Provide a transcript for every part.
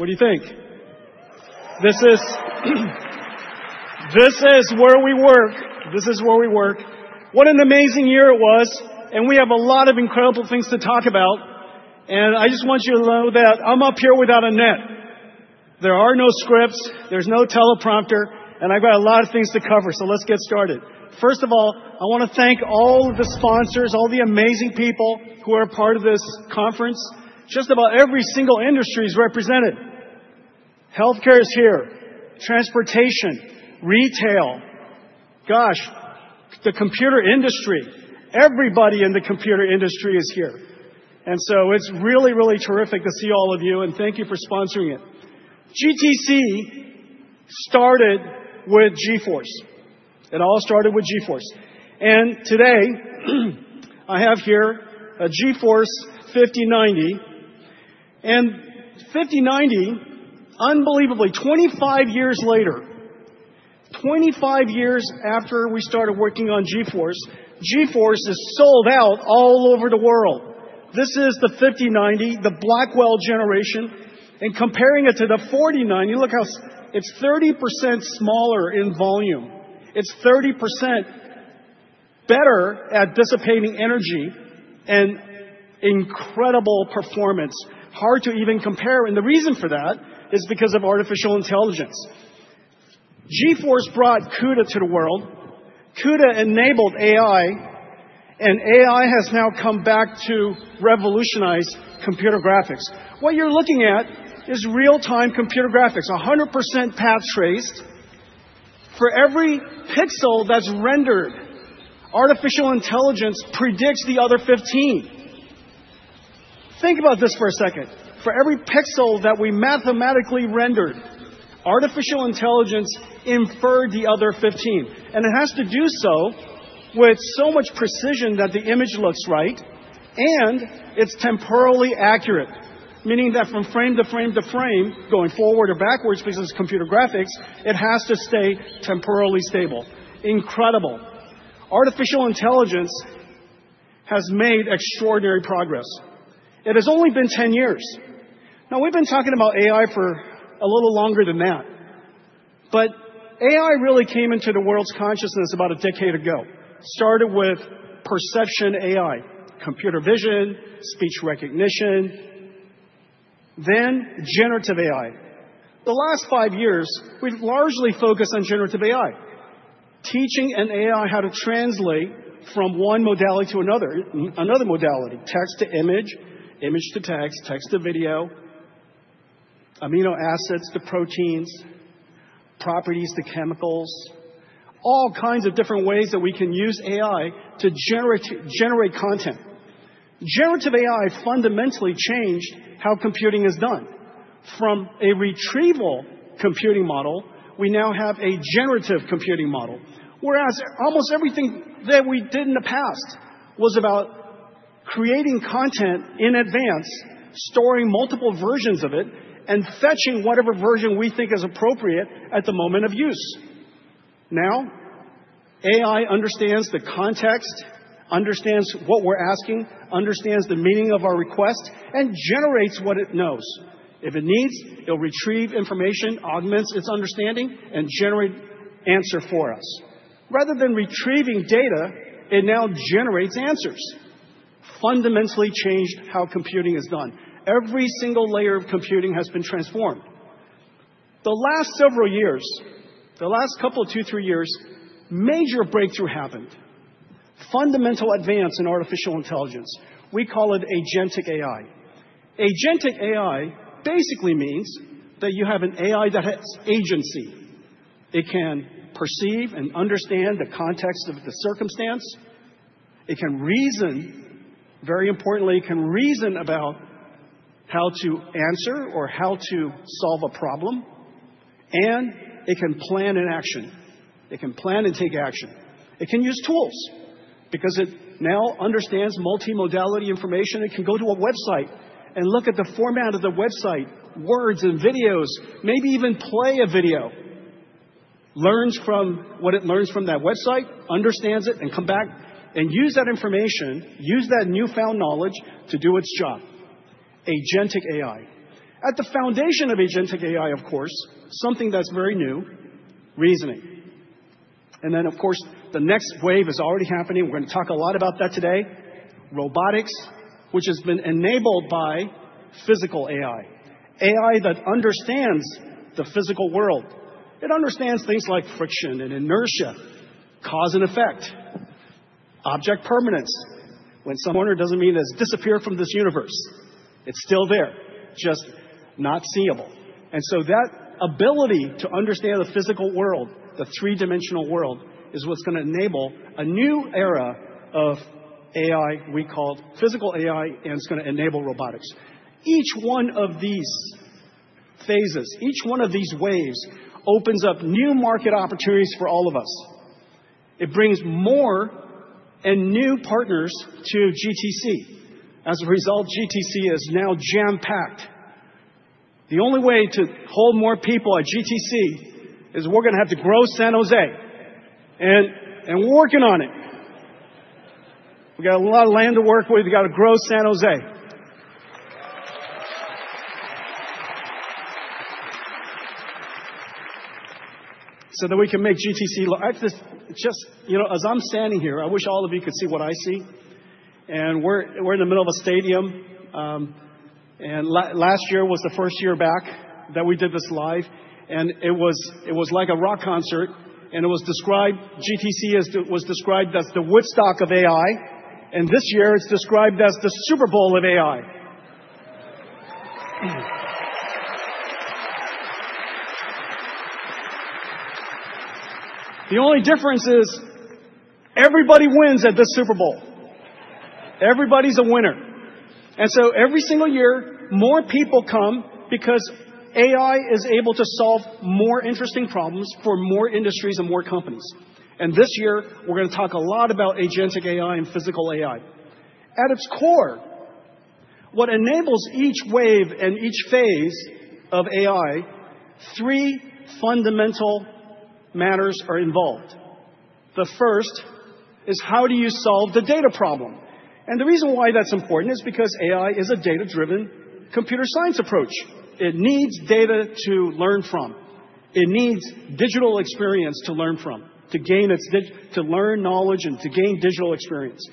What do you think? This is where we work. This is where we work. What an amazing year it was, and we have a lot of incredible things to talk about. I just want you to know that I'm up here without a net. There are no scripts, there's no teleprompter, and I've got a lot of things to cover. Let's get started. First of all, I want to thank all the sponsors, all the amazing people who are a part of this conference. Just about every single industry is represented. Healthcare is here. Transportation. Retail. Gosh, the computer industry. Everybody in the computer industry is here. It is really, really terrific to see all of you, and thank you for sponsoring it. GTC started with GeForce. It all started with GeForce. Today, I have here a GeForce 5090. 5090, unbelievably, 25 years later, 25 years after we started working on GeForce, GeForce is sold out all over the world. This is the 5090, the Blackwell generation. Comparing it to the 4090, look how it is 30% smaller in volume. It is 30% better at dissipating energy and incredible performance. Hard to even compare. The reason for that is because of artificial intelligence. GeForce brought CUDA to the world. CUDA enabled AI, and AI has now come back to revolutionize computer graphics. What you are looking at is real-time computer graphics, 100% path traced. For every pixel that is rendered, artificial intelligence predicts the other 15. Think about this for a second. For every pixel that we mathematically rendered, artificial intelligence inferred the other 15. It has to do so with so much precision that the image looks right, and it is temporally accurate. Meaning that from frame to frame to frame, going forward or backwards, because it's computer graphics, it has to stay temporally stable. Incredible. Artificial intelligence has made extraordinary progress. It has only been 10 years. Now, we've been talking about AI for a little longer than that. But AI really came into the world's consciousness about a decade ago. Started with perception AI, computer vision, speech recognition, then generative AI. The last five years, we've largely focused on generative AI, teaching an AI how to translate from one modality to another, another modality, text to image, image to text, text to video, amino acids to proteins, properties to chemicals, all kinds of different ways that we can use AI to generate content. Generative AI fundamentally changed how computing is done. From a retrieval computing model, we now have a generative computing model. Whereas almost everything that we did in the past was about creating content in advance, storing multiple versions of it, and fetching whatever version we think is appropriate at the moment of use. Now, AI understands the context, understands what we're asking, understands the meaning of our request, and generates what it knows. If it needs, it'll retrieve information, augments its understanding, and generate an answer for us. Rather than retrieving data, it now generates answers. Fundamentally changed how computing is done. Every single layer of computing has been transformed. The last several years, the last couple of two, three years, a major breakthrough happened. Fundamental advance in artificial intelligence. We call it agentic AI. Agentic AI basically means that you have an AI that has agency. It can perceive and understand the context of the circumstance. It can reason. Very importantly, it can reason about how to answer or how to solve a problem. It can plan an action. It can plan and take action. It can use tools because it now understands multimodality information. It can go to a website and look at the format of the website, words and videos, maybe even play a video. Learns from what it learns from that website, understands it, and come back and use that information, use that newfound knowledge to do its job. Agentic AI. At the foundation of agentic AI, of course, something that's very new, reasoning. The next wave is already happening. We're going to talk a lot about that today. Robotics, which has been enabled by physical AI. AI that understands the physical world. It understands things like friction and inertia, cause and effect, object permanence. When someone—or it doesn't mean it's disappeared from this universe—it's still there, just not seeable. That ability to understand the physical world, the three-dimensional world, is what's going to enable a new era of AI we call physical AI, and it's going to enable robotics. Each one of these phases, each one of these waves, opens up new market opportunities for all of us. It brings more and new partners to GTC. As a result, GTC is now jam-packed. The only way to hold more people at GTC is we're going to have to grow San Jose. We're working on it. We've got a lot of land to work with. We've got to grow San Jose. You know, as I'm standing here, I wish all of you could see what I see. We're in the middle of a stadium. Last year was the first year back that we did this live. It was like a rock concert. It was described—GTC was described as the Woodstock of AI. This year, it's described as the Super Bowl of AI. The only difference is everybody wins at the Super Bowl. Everybody's a winner. Every single year, more people come because AI is able to solve more interesting problems for more industries and more companies. This year, we're going to talk a lot about agentic AI and physical AI. At its core, what enables each wave and each phase of AI, three fundamental matters are involved. The first is how do you solve the data problem? The reason why that's important is because AI is a data-driven computer science approach. It needs data to learn from. It needs digital experience to learn from, to gain its digital—to learn knowledge and to gain digital experience.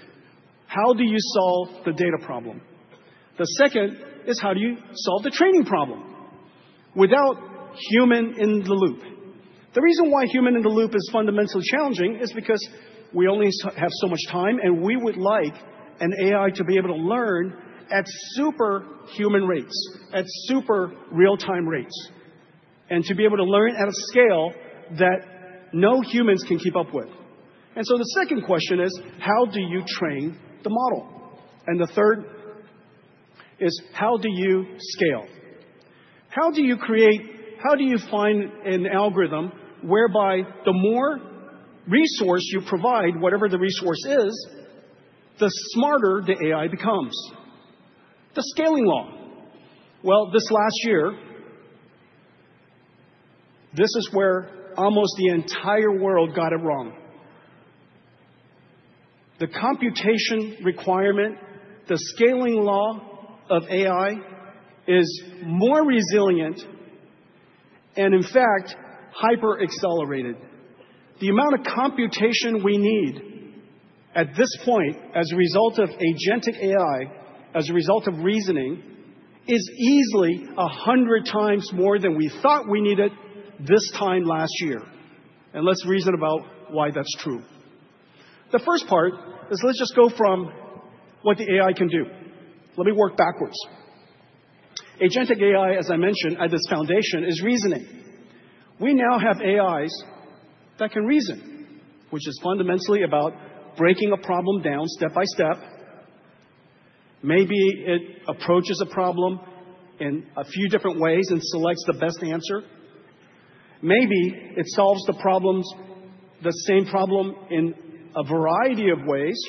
How do you solve the data problem? The second is how do you solve the training problem without human in the loop? The reason why human in the loop is fundamentally challenging is because we only have so much time, and we would like an AI to be able to learn at superhuman rates, at super real-time rates, and to be able to learn at a scale that no humans can keep up with. The second question is, how do you train the model? The third is, how do you scale? How do you create—how do you find an algorithm whereby the more resource you provide, whatever the resource is, the smarter the AI becomes? The scaling law. This last year, this is where almost the entire world got it wrong. The computation requirement, the scaling law of AI is more resilient and, in fact, hyper-accelerated. The amount of computation we need at this point, as a result of agentic AI, as a result of reasoning, is easily 100 times more than we thought we needed this time last year. Let's reason about why that's true. The first part is, let's just go from what the AI can do. Let me work backwards. Agentic AI, as I mentioned at this foundation, is reasoning. We now have AIs that can reason, which is fundamentally about breaking a problem down step by step. Maybe it approaches a problem in a few different ways and selects the best answer. Maybe it solves the problems, the same problem in a variety of ways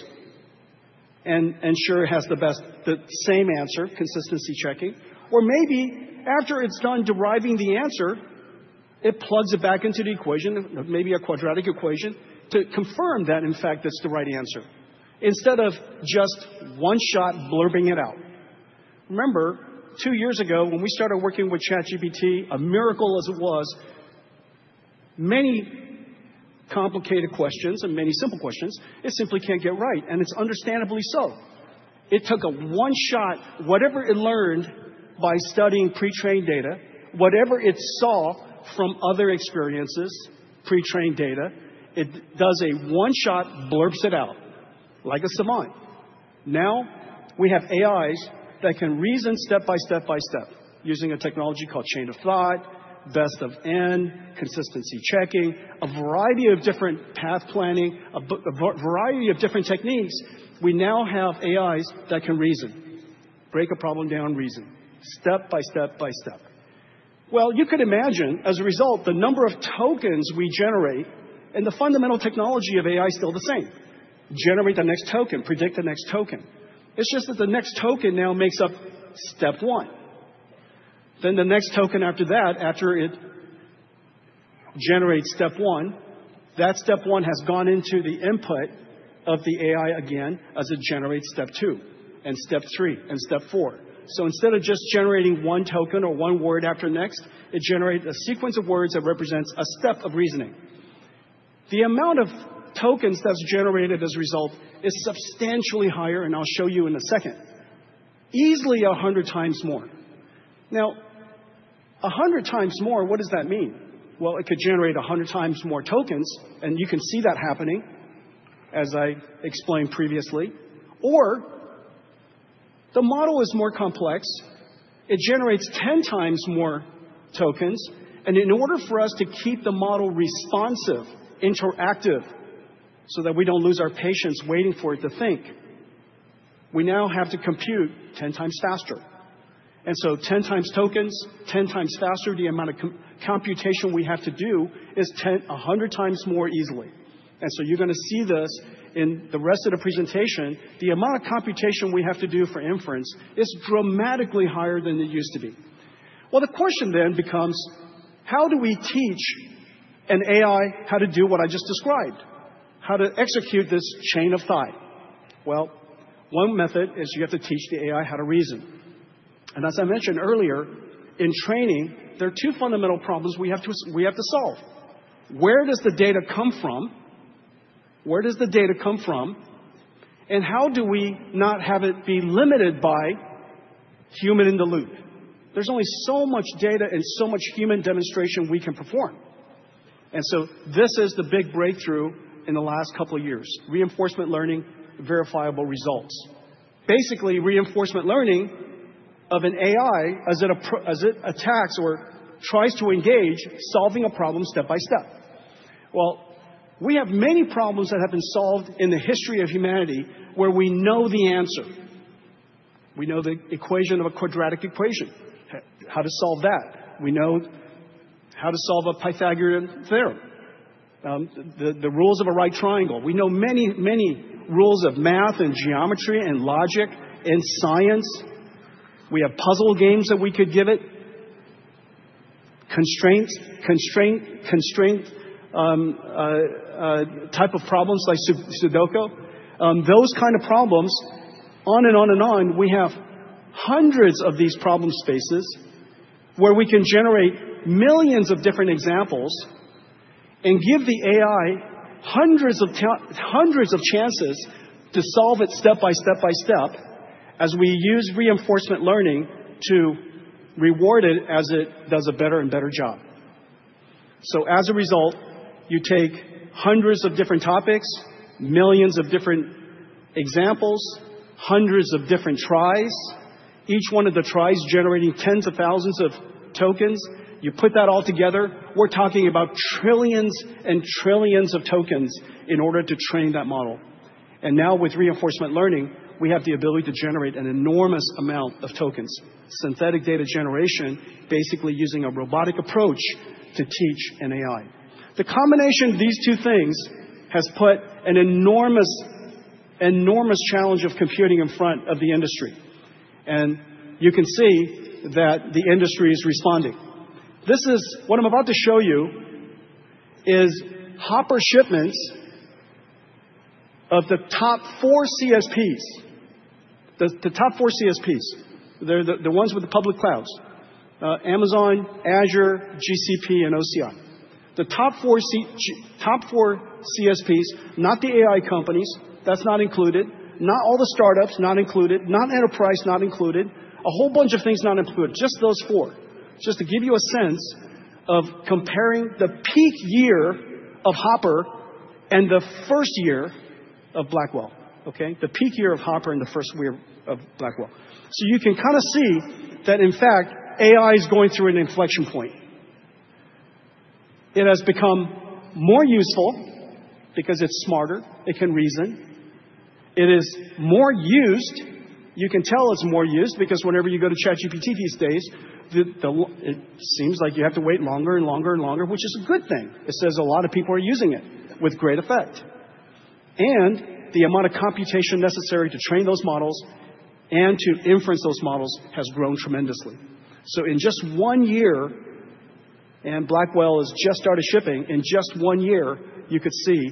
and ensures it has the best, the same answer, consistency checking. Or maybe after it's done deriving the answer, it plugs it back into the equation, maybe a quadratic equation, to confirm that, in fact, that's the right answer, instead of just one shot blurbing it out. Remember, two years ago, when we started working with ChatGPT, a miracle as it was, many complicated questions and many simple questions, it simply can't get right. And it's understandably so. It took a one shot, whatever it learned by studying pre-trained data, whatever it saw from other experiences, pre-trained data, it does a one shot, blurbs it out like a Simon. Now we have AIs that can reason step by step by step using a technology called chain of thought, best of N, consistency checking, a variety of different path planning, a variety of different techniques. We now have AIs that can reason, break a problem down, reason step by step by step. You could imagine, as a result, the number of tokens we generate and the fundamental technology of AI is still the same. Generate the next token, predict the next token. It's just that the next token now makes up step one. Then the next token after that, after it generates step one, that step one has gone into the input of the AI again as it generates step two and step three and step four. Instead of just generating one token or one word after next, it generates a sequence of words that represents a step of reasoning. The amount of tokens that's generated as a result is substantially higher, and I'll show you in a second, easily 100 times more. Now, 100 times more, what does that mean? It could generate 100 times more tokens, and you can see that happening, as I explained previously. Or the model is more complex. It generates 10 times more tokens. In order for us to keep the model responsive, interactive, so that we don't lose our patience waiting for it to think, we now have to compute 10 times faster. Ten times tokens, 10 times faster, the amount of computation we have to do is 100 times more easily. You're going to see this in the rest of the presentation. The amount of computation we have to do for inference is dramatically higher than it used to be. The question then becomes, how do we teach an AI how to do what I just described, how to execute this chain of thought? One method is you have to teach the AI how to reason. As I mentioned earlier, in training, there are two fundamental problems we have to solve. Where does the data come from? Where does the data come from? How do we not have it be limited by human in the loop? There's only so much data and so much human demonstration we can perform. This is the big breakthrough in the last couple of years, reinforcement learning, verifiable results. Basically, reinforcement learning of an AI as it attacks or tries to engage solving a problem step by step. We have many problems that have been solved in the history of humanity where we know the answer. We know the equation of a quadratic equation, how to solve that. We know how to solve a Pythagorean theorem, the rules of a right triangle. We know many, many rules of math and geometry and logic and science. We have puzzle games that we could give it, constraints, constraint, constraint type of problems like Sudoku. Those kinds of problems on and on and on. We have hundreds of these problem spaces where we can generate millions of different examples and give the AI hundreds of chances to solve it step by step by step as we use reinforcement learning to reward it as it does a better and better job. As a result, you take hundreds of different topics, millions of different examples, hundreds of different tries, each one of the tries generating tens of thousands of tokens. You put that all together. We're talking about trillions and trillions of tokens in order to train that model. Now with reinforcement learning, we have the ability to generate an enormous amount of tokens, synthetic data generation, basically using a robotic approach to teach an AI. The combination of these two things has put an enormous, enormous challenge of computing in front of the industry. You can see that the industry is responding. What I'm about to show you is Hopper shipments of the top four CSPs, the top four CSPs, the ones with the public clouds, Amazon, Azure, GCP, and OCI. The top four CSPs, not the AI companies, that's not included, not all the startups, not included, not enterprise, not included, a whole bunch of things not included, just those four, just to give you a sense of comparing the peak year of Hopper and the first year of Blackwell, okay? The peak year of Hopper and the first year of Blackwell. You can kind of see that, in fact, AI is going through an inflection point. It has become more useful because it's smarter. It can reason. It is more used. You can tell it's more used because whenever you go to ChatGPT these days, it seems like you have to wait longer and longer and longer, which is a good thing. It says a lot of people are using it with great effect. The amount of computation necessary to train those models and to inference those models has grown tremendously. In just one year, and Blackwell has just started shipping, in just one year, you could see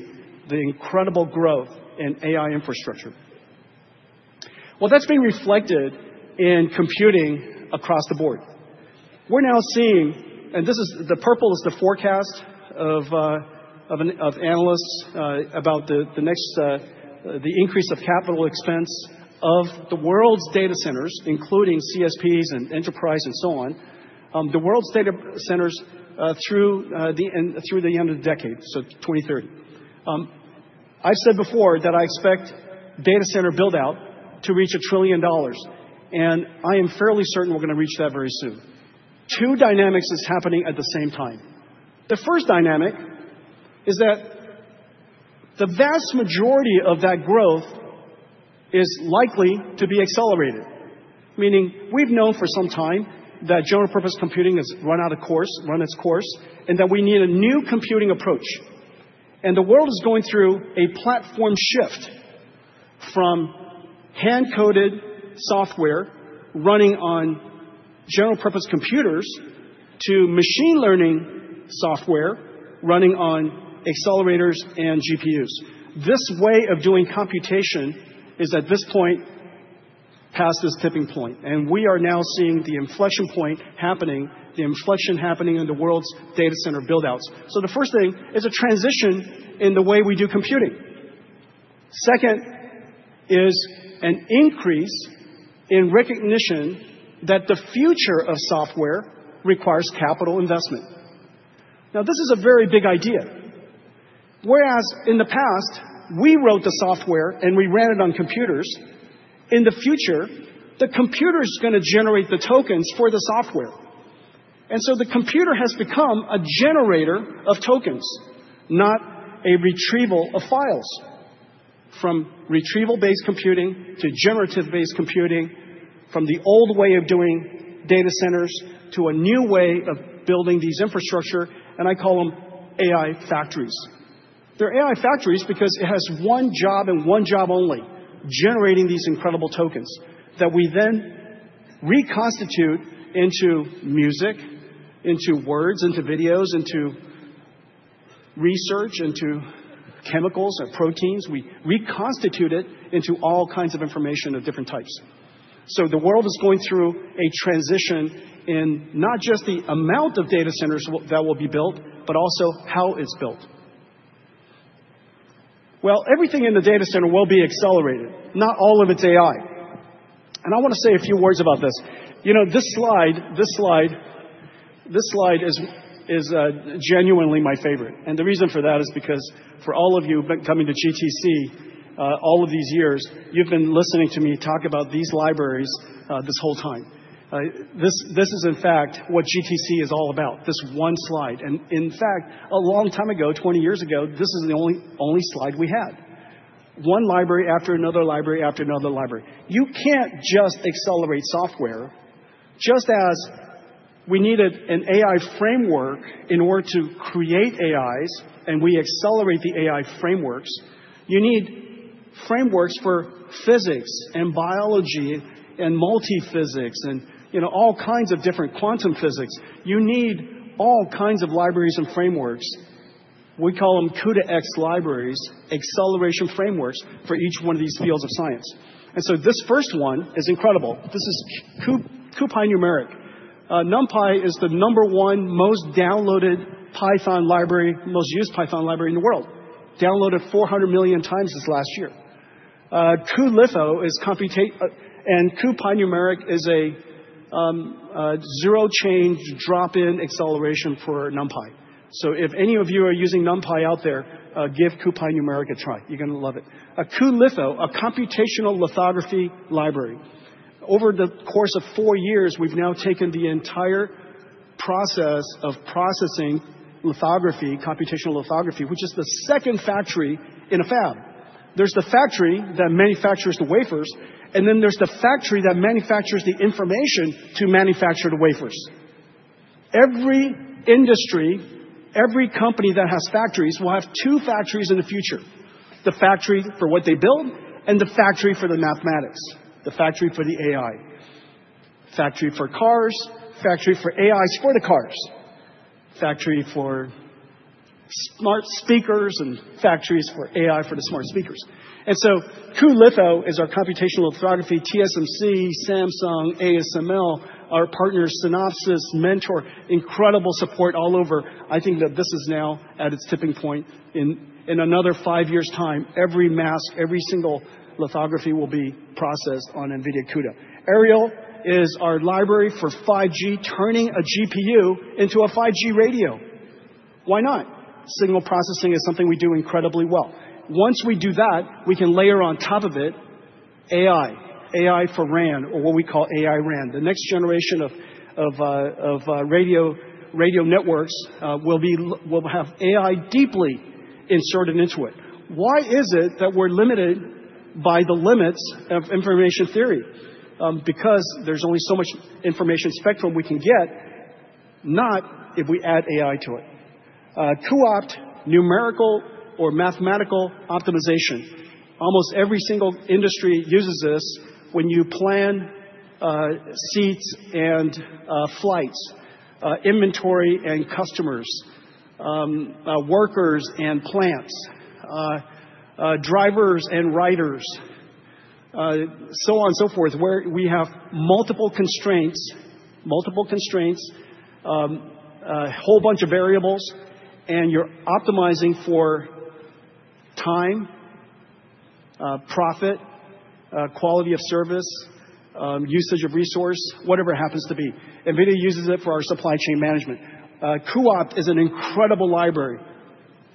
the incredible growth in AI infrastructure. That has been reflected in computing across the board. We are now seeing, and this is the purple, is the forecast of analysts about the increase of capital expense of the world's data centers, including CSPs and enterprise and so on, the world's data centers through the end of the decade, so 2030. I have said before that I expect data center buildout to reach a trillion dollars. I am fairly certain we are going to reach that very soon. Two dynamics are happening at the same time. The first dynamic is that the vast majority of that growth is likely to be accelerated, meaning we've known for some time that general-purpose computing has run its course, and that we need a new computing approach. The world is going through a platform shift from hand-coded software running on general-purpose computers to machine learning software running on accelerators and GPUs. This way of doing computation is at this point past this tipping point. We are now seeing the inflection point happening, the inflection happening in the world's data center buildouts. The first thing is a transition in the way we do computing. Second is an increase in recognition that the future of software requires capital investment. Now, this is a very big idea. Whereas in the past, we wrote the software and we ran it on computers, in the future, the computer is going to generate the tokens for the software. The computer has become a generator of tokens, not a retrieval of files. From retrieval-based computing to generative-based computing, from the old way of doing data centers to a new way of building these infrastructures, and I call them AI factories. They're AI factories because it has one job and one job only, generating these incredible tokens that we then reconstitute into music, into words, into videos, into research, into chemicals or proteins. We reconstitute it into all kinds of information of different types. The world is going through a transition in not just the amount of data centers that will be built, but also how it's built. Everything in the data center will be accelerated, not all of it is AI. I want to say a few words about this. You know, this slide, this slide is genuinely my favorite. The reason for that is because for all of you coming to GTC all of these years, you've been listening to me talk about these libraries this whole time. This is, in fact, what GTC is all about, this one slide. In fact, a long time ago, 20 years ago, this is the only slide we had, one library after another library after another library. You can't just accelerate software. Just as we needed an AI framework in order to create AIs and we accelerate the AI frameworks, you need frameworks for physics and biology and multiphysics and all kinds of different quantum physics. You need all kinds of libraries and frameworks. We call them CUDA-X libraries, acceleration frameworks for each one of these fields of science. This first one is incredible. This is cuPyNumeric. NumPy is the number one most downloaded Python library, most used Python library in the world, downloaded 400x million this last year. CUDA Litho is computation, and cuPy Numeric is a zero-change drop-in acceleration for NumPy. If any of you are using NumPy out there, give cuPyNumeric a try. You're going to love it. CUDA Litho, a computational lithography library. Over the course of four years, we've now taken the entire process of processing lithography, computational lithography, which is the second factory in a fab. There's the factory that manufactures the wafers, and then there's the factory that manufactures the information to manufacture the wafers. Every industry, every company that has factories will have two factories in the future, the factory for what they build and the factory for the mathematics, the factory for the AI, factory for cars, factory for AI sports cars, factory for smart speakers, and factories for AI for the smart speakers. CUDA Litho is our computational lithography, TSMC, Samsung, ASML, our partners, Synopsys, Mentor, incredible support all over. I think that this is now at its tipping point. In another five years' time, every mask, every single lithography will be processed on NVIDIA CUDA. Aerial is our library for 5G, turning a GPU into a 5G radio. Why not? Signal processing is something we do incredibly well. Once we do that, we can layer on top of it AI, AI for RAN, or what we call AI-RAN. The next generation of radio networks will have AI deeply inserted into it. Why is it that we're limited by the limits of information theory? Because there's only so much information spectrum we can get, not if we add AI to it. cuOpt, numerical or mathematical optimization. Almost every single industry uses this when you plan seats and flights, inventory and customers, workers and plants, drivers and riders, so on and so forth, where we have multiple constraints, multiple constraints, a whole bunch of variables, and you're optimizing for time, profit, quality of service, usage of resource, whatever it happens to be. NVIDIA uses it for our supply chain management. cuOpt is an incredible library.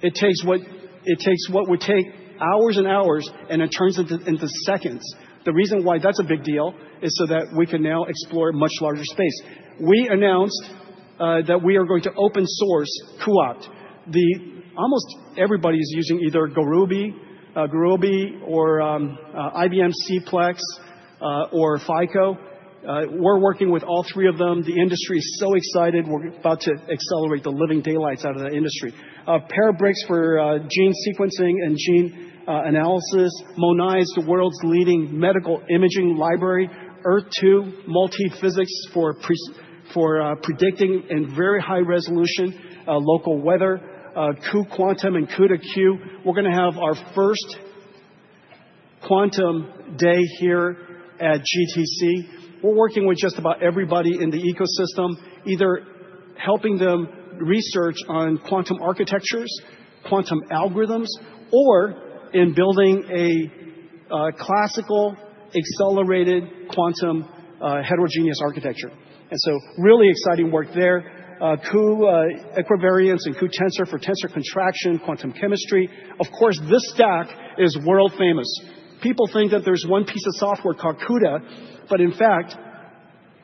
It takes what would take hours and hours, and it turns into seconds. The reason why that's a big deal is so that we can now explore a much larger space. We announced that we are going to open source cuOpt. Almost everybody is using either Gurobi or IBM CPLEX or FICO. We're working with all three of them. The industry is so excited. We're about to accelerate the living daylights out of that industry. Parabricks for gene sequencing and gene analysis. MONAI is the world's leading medical imaging library. Earth-2 Multiphysics for predicting in very high resolution local weather. CuQuantum and CUDA-Q. We're going to have our first quantum day here at GTC. We're working with just about everybody in the ecosystem, either helping them research on quantum architectures, quantum algorithms, or in building a classical accelerated quantum heterogeneous architecture. Really exciting work there. CuEquivariance and CuTENSOR for tensor contraction, quantum chemistry. Of course, this stack is world famous. People think that there's one piece of software called CUDA, but in fact,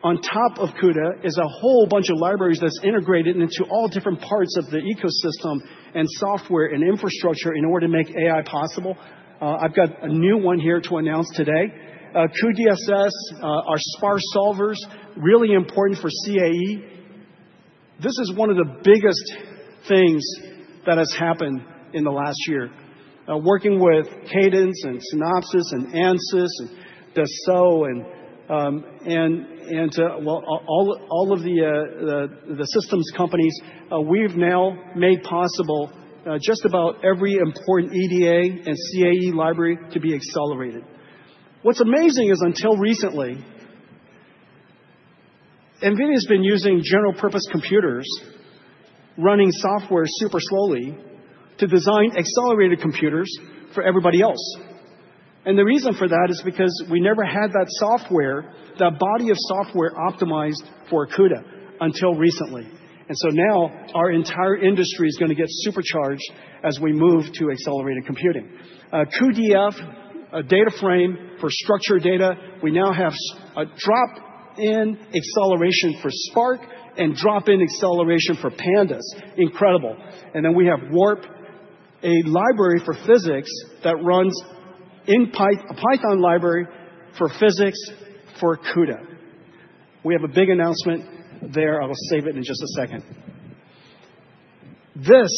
on top of CUDA is a whole bunch of libraries that's integrated into all different parts of the ecosystem and software and infrastructure in order to make AI possible. I've got a new one here to announce today. cuDSS, our sparse solvers, really important for CAE. This is one of the biggest things that has happened in the last year. Working with Cadence and Synopsys and Ansys and Dassault and all of the systems companies, we've now made possible just about every important EDA and CAE library to be accelerated. What's amazing is until recently, NVIDIA has been using general-purpose computers, running software super slowly to design accelerated computers for everybody else. The reason for that is because we never had that software, that body of software optimized for CUDA until recently. Our entire industry is going to get supercharged as we move to accelerated computing. cuDF, a data frame for structured data. We now have drop-in acceleration for Spark and drop-in acceleration for Pandas. Incredible. We have Warp, a library for physics that runs in Python, a library for physics for CUDA. We have a big announcement there. I will save it in just a second. This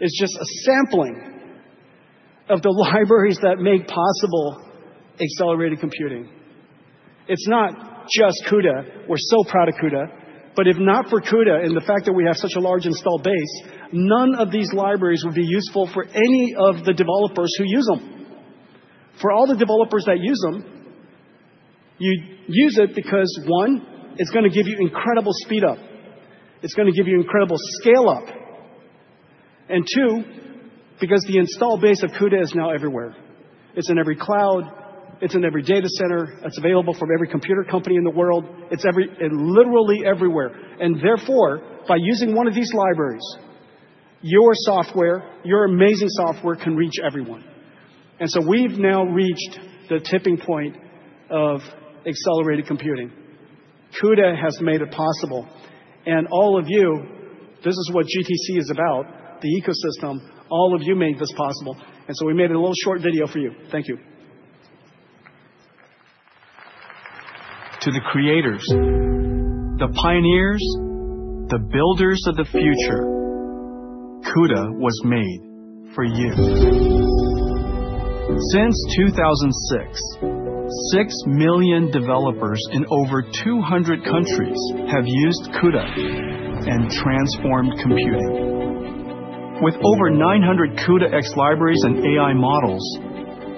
is just a sampling of the libraries that make possible accelerated computing. It's not just CUDA. We're so proud of CUDA. If not for CUDA and the fact that we have such a large install base, none of these libraries would be useful for any of the developers who use them. For all the developers that use them, you use it because, one, it's going to give you incredible speed up. It's going to give you incredible scale up. Two, because the install base of CUDA is now everywhere. It is in every cloud. It is in every data center. It is available from every computer company in the world. It is literally everywhere. Therefore, by using one of these libraries, your software, your amazing software can reach everyone. We have now reached the tipping point of accelerated computing. CUDA has made it possible. All of you, this is what GTC is about, the ecosystem. All of you made this possible. We made a little short video for you. Thank you. To the creators, the pioneers, the builders of the future, CUDA was made for you. Since 2006, 6 million developers in over 200 countries have used CUDA and transformed computing. With over 900 CUDA-X libraries and AI models,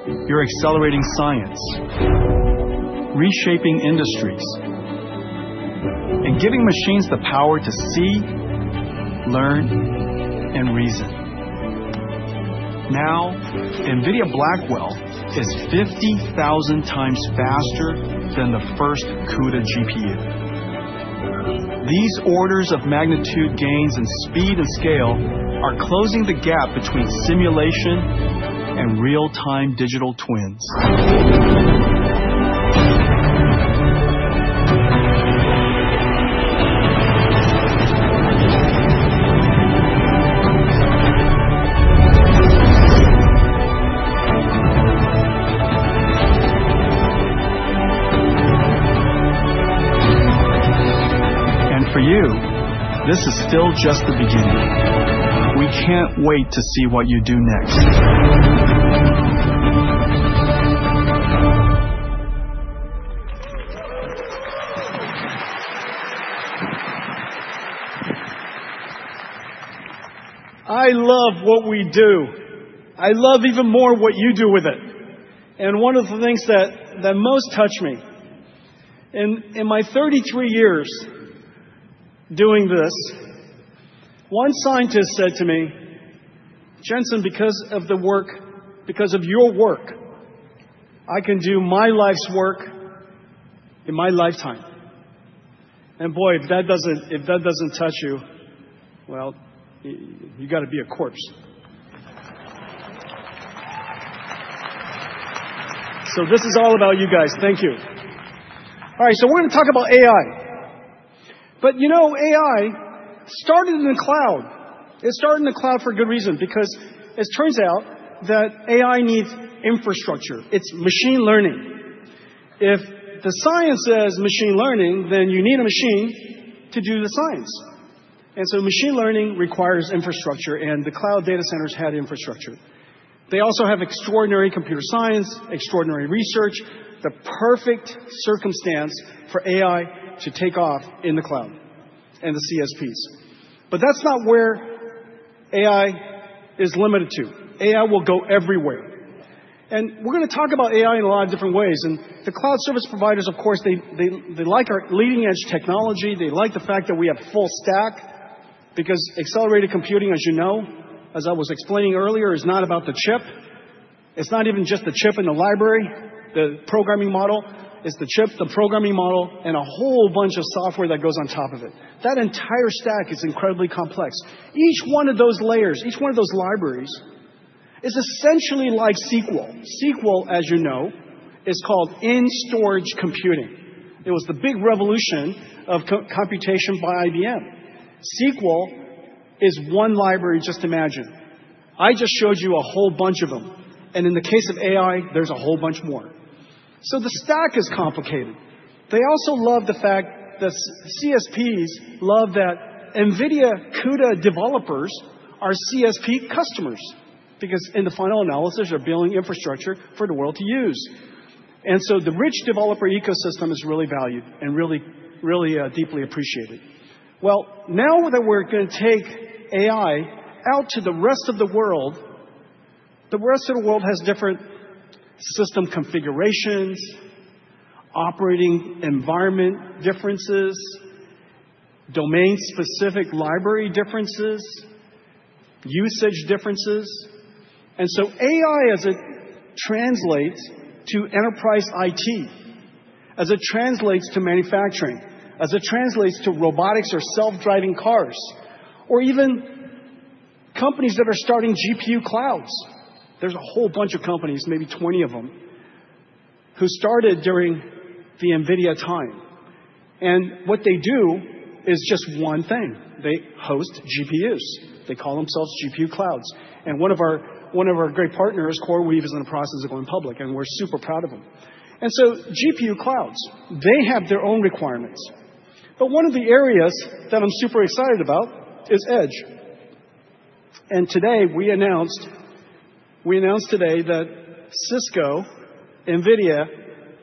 you are accelerating science, reshaping industries, and giving machines the power to see, learn, and reason. Now, NVIDIA Blackwell is 50,000 times faster than the first CUDA GPU. These orders of magnitude gains in speed and scale are closing the gap between simulation and real-time digital twins. For you, this is still just the beginning. We can't wait to see what you do next. I love what we do. I love even more what you do with it. One of the things that most touch me, in my 33 years doing this, one scientist said to me, "Jensen, because of the work, because of your work, I can do my life's work in my lifetime." Boy, if that doesn't touch you, you got to be a corpse. This is all about you guys. Thank you. All right, we're going to talk about AI. You know, AI started in the cloud. It started in the cloud for a good reason because it turns out that AI needs infrastructure. It's machine learning. If the science is machine learning, then you need a machine to do the science. And so machine learning requires infrastructure, and the cloud data centers had infrastructure. They also have extraordinary computer science, extraordinary research, the perfect circumstance for AI to take off in the cloud and the CSPs. That's not where AI is limited to. AI will go everywhere. We're going to talk about AI in a lot of different ways. The cloud service providers, of course, they like our leading-edge technology. They like the fact that we have full stack because accelerated computing, as you know, as I was explaining earlier, is not about the chip. It's not even just the chip and the library, the programming model. It's the chip, the programming model, and a whole bunch of software that goes on top of it. That entire stack is incredibly complex. Each one of those layers, each one of those libraries is essentially like SQL. SQL, as you know, is called in-storage computing. It was the big revolution of computation by IBM. SQL is one library, just imagine. I just showed you a whole bunch of them. In the case of AI, there's a whole bunch more. The stack is complicated. They also love the fact that CSPs love that NVIDIA CUDA developers are CSP customers because in the final analysis, they're building infrastructure for the world to use. The rich developer ecosystem is really valued and really, really deeply appreciated. Now that we're going to take AI out to the rest of the world, the rest of the world has different system configurations, operating environment differences, domain-specific library differences, usage differences. AI translates to enterprise IT, as it translates to manufacturing, as it translates to robotics or self-driving cars, or even companies that are starting GPU clouds. There's a whole bunch of companies, maybe 20 of them, who started during the NVIDIA time. What they do is just one thing. They host GPUs. They call themselves GPU clouds. One of our great partners, CoreWeave, is in the process of going public, and we're super proud of them. GPU clouds have their own requirements. One of the areas that I'm super excited about is edge. Today we announced that Cisco, NVIDIA,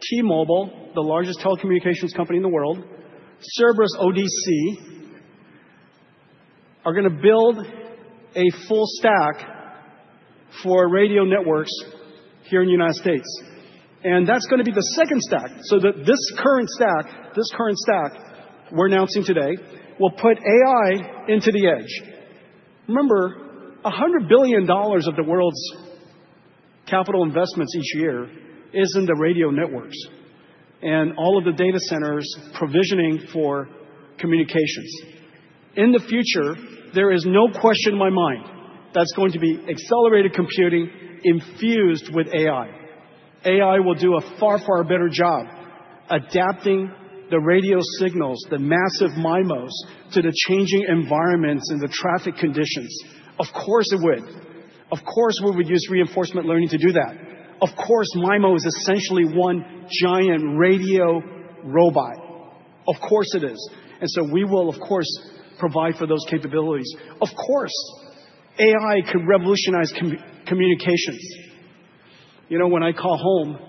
T-Mobile, the largest telecommunications company in the world, and Cerberus ODC are going to build a full stack for radio networks here in the United States. That is going to be the second stack. This current stack we are announcing today will put AI into the edge. Remember, $100 billion of the world's capital investments each year is in the radio networks and all of the data centers provisioning for communications. In the future, there is no question in my mind that is going to be accelerated computing infused with AI. AI will do a far, far better job adapting the radio signals, the massive MIMOs, to the changing environments and the traffic conditions. Of course, it would. Of course, we would use reinforcement learning to do that. Of course, MIMO is essentially one giant radio robot. Of course, it is. We will, of course, provide for those capabilities. Of course, AI could revolutionize communications. You know, when I call home,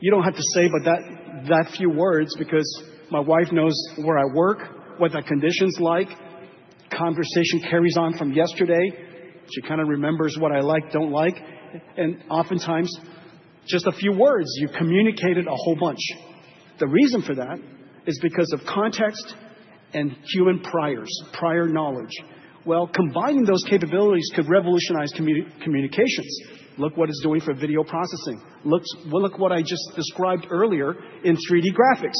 you do not have to say but that few words because my wife knows where I work, what that condition is like. Conversation carries on from yesterday. She kind of remembers what I like, do not like. And oftentimes, just a few words, you have communicated a whole bunch. The reason for that is because of context and human priors, prior knowledge. Well, combining those capabilities could revolutionize communications. Look what it is doing for video processing. Look what I just described earlier in 3D graphics.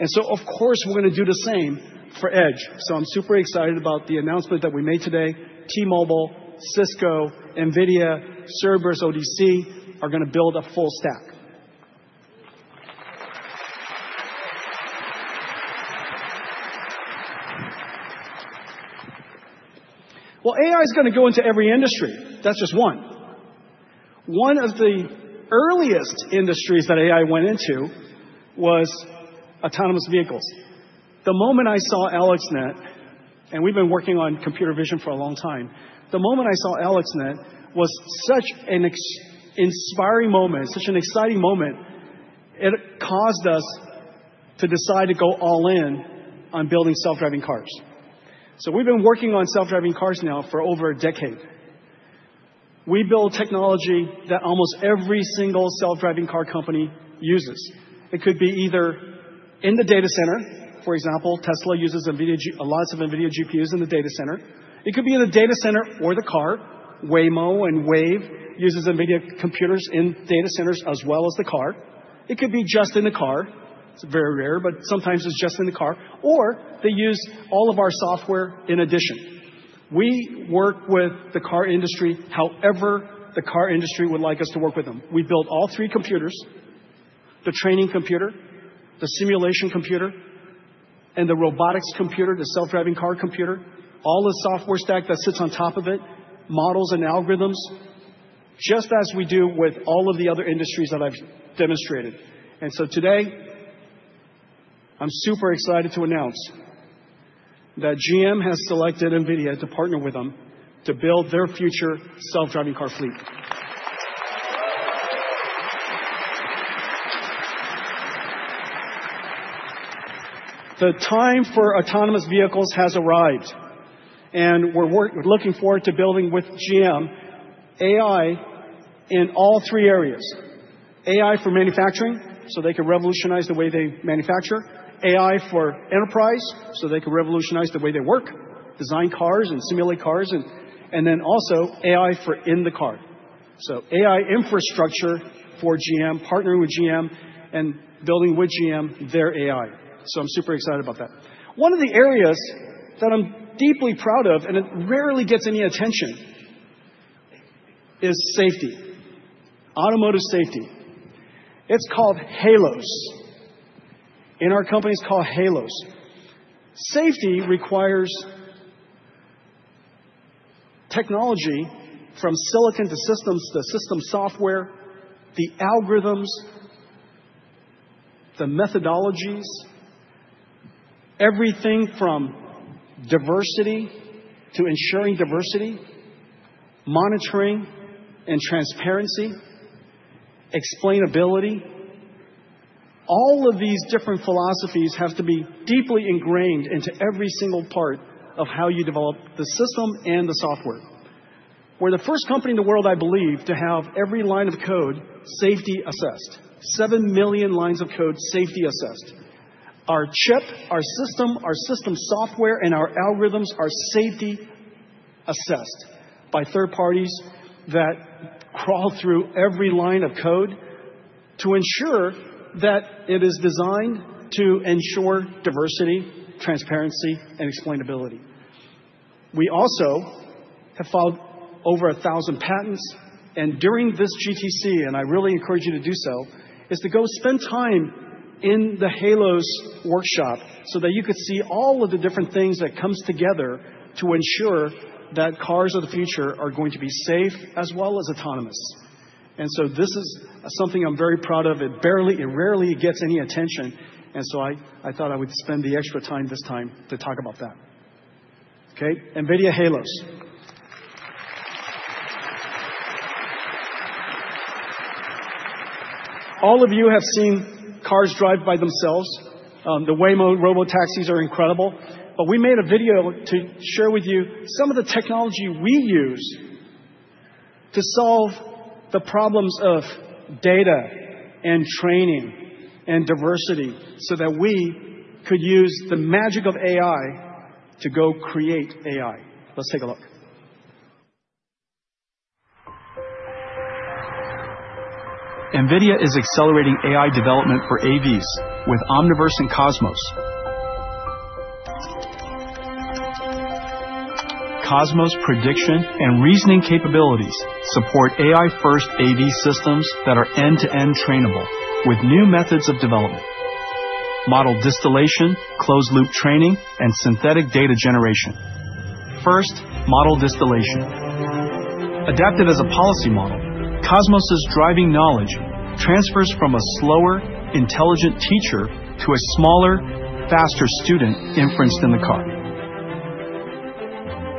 Of course, we are going to do the same for edge. I am super excited about the announcement that we made today. T-Mobile, Cisco, NVIDIA, Cerberus ODC are going to build a full stack. AI is going to go into every industry. That is just one. One of the earliest industries that AI went into was autonomous vehicles. The moment I saw AlexNet, and we've been working on computer vision for a long time, the moment I saw AlexNet was such an inspiring moment, such an exciting moment. It caused us to decide to go all in on building self-driving cars. We've been working on self-driving cars now for over a decade. We build technology that almost every single self-driving car company uses. It could be either in the data center, for example, Tesla uses lots of NVIDIA GPUs in the data center. It could be in the data center or the car. Waymo and Wayve use NVIDIA computers in data centers as well as the car. It could be just in the car. It's very rare, but sometimes it's just in the car. Or they use all of our software in addition. We work with the car industry however the car industry would like us to work with them. We build all three computers: the training computer, the simulation computer, and the robotics computer, the self-driving car computer. All the software stack that sits on top of it, models and algorithms, just as we do with all of the other industries that I've demonstrated. Today, I'm super excited to announce that GM has selected NVIDIA to partner with them to build their future self-driving car fleet. The time for autonomous vehicles has arrived, and we're looking forward to building with GM AI in all three areas. AI for manufacturing so they can revolutionize the way they manufacture. AI for enterprise so they can revolutionize the way they work, design cars and simulate cars, and then also AI for in the car. AI infrastructure for GM, partnering with GM and building with GM their AI. I'm super excited about that. One of the areas that I'm deeply proud of and it rarely gets any attention is safety, automotive safety. It's called HALOS. In our company, it's called HALOS. Safety requires technology from silicon to systems to system software, the algorithms, the methodologies, everything from diversity to ensuring diversity, monitoring and transparency, explainability. All of these different philosophies have to be deeply ingrained into every single part of how you develop the system and the software. We're the first company in the world, I believe, to have every line of code safety assessed, 7 million lines of code safety assessed. Our chip, our system, our system software, and our algorithms are safety assessed by third parties that crawl through every line of code to ensure that it is designed to ensure diversity, transparency, and explainability. We also have filed over 1,000 patents. During this GTC, and I really encourage you to do so, is to go spend time in the HALOS workshop so that you could see all of the different things that come together to ensure that cars of the future are going to be safe as well as autonomous. This is something I'm very proud of. It rarely gets any attention. I thought I would spend the extra time this time to talk about that. Okay, NVIDIA Halos. All of you have seen cars drive by themselves. The Waymo Robotaxis are incredible. We made a video to share with you some of the technology we use to solve the problems of data and training and diversity so that we could use the magic of AI to go create AI. Let's take a look. NVIDIA is accelerating AI development for AVs with Omniverse and Cosmos. Cosmos' prediction and reasoning capabilities support AI-first AV systems that are end-to-end trainable with new methods of development: model distillation, closed-loop training, and synthetic data generation. First, model distillation. Adapted as a policy model, Cosmos' driving knowledge transfers from a slower, intelligent teacher to a smaller, faster student inferenced in the car.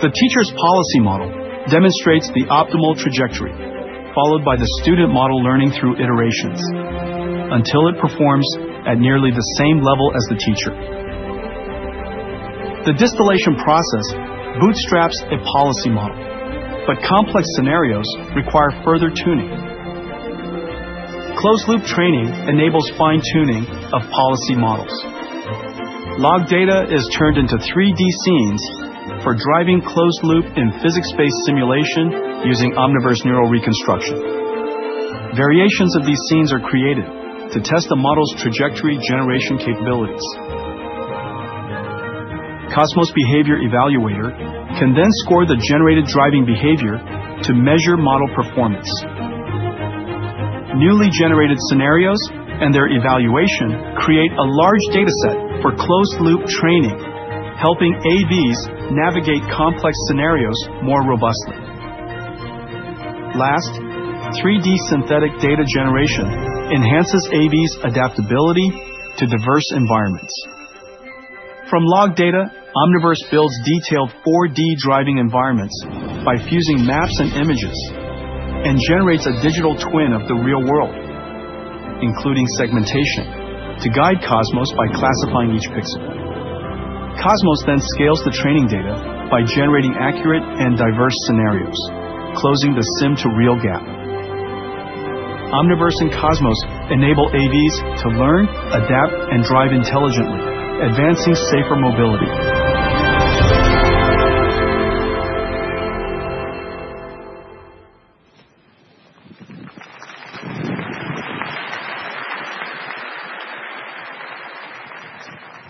The teacher's policy model demonstrates the optimal trajectory, followed by the student model learning through iterations until it performs at nearly the same level as the teacher. The distillation process bootstraps a policy model, but complex scenarios require further tuning. Closed-loop training enables fine-tuning of policy models. Log data is turned into 3D scenes for driving closed-loop in physics-based simulation using Omniverse Neural Reconstruction. Variations of these scenes are created to test the model's trajectory generation capabilities. Cosmos Behavior Evaluator can then score the generated driving behavior to measure model performance. Newly generated scenarios and their evaluation create a large dataset for closed-loop training, helping AVs navigate complex scenarios more robustly. Last, 3D synthetic data generation enhances AVs' adaptability to diverse environments. From log data, Omniverse builds detailed 4D driving environments by fusing maps and images and generates a digital twin of the real world, including segmentation, to guide Cosmos by classifying each pixel. Cosmos then scales the training data by generating accurate and diverse scenarios, closing the sim-to-real gap. Omniverse and Cosmos enable AVs to learn, adapt, and drive intelligently, advancing safer mobility.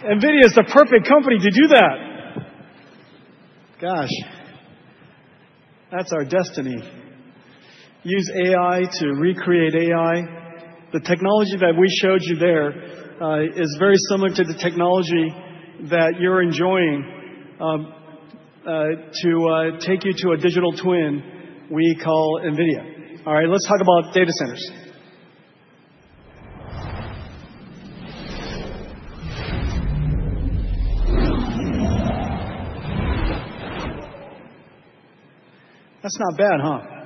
NVIDIA is the perfect company to do that. Gosh, that's our destiny. Use AI to recreate AI. The technology that we showed you there is very similar to the technology that you're enjoying to take you to a digital twin we call NVIDIA. All right, let's talk about data centers. That's not bad, huh?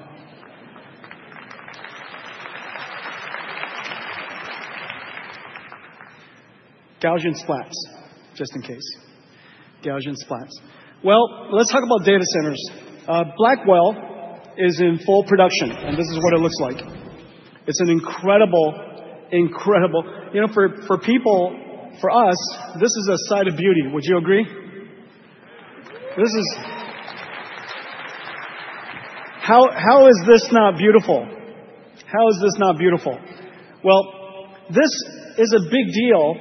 Gaussian splats, just in case. Gaussian splats. Let's talk about data centers. Blackwell is in full production, and this is what it looks like. It's an incredible, incredible—you know, for people, for us, this is a site of beauty. Would you agree? This is—how is this not beautiful? How is this not beautiful? This is a big deal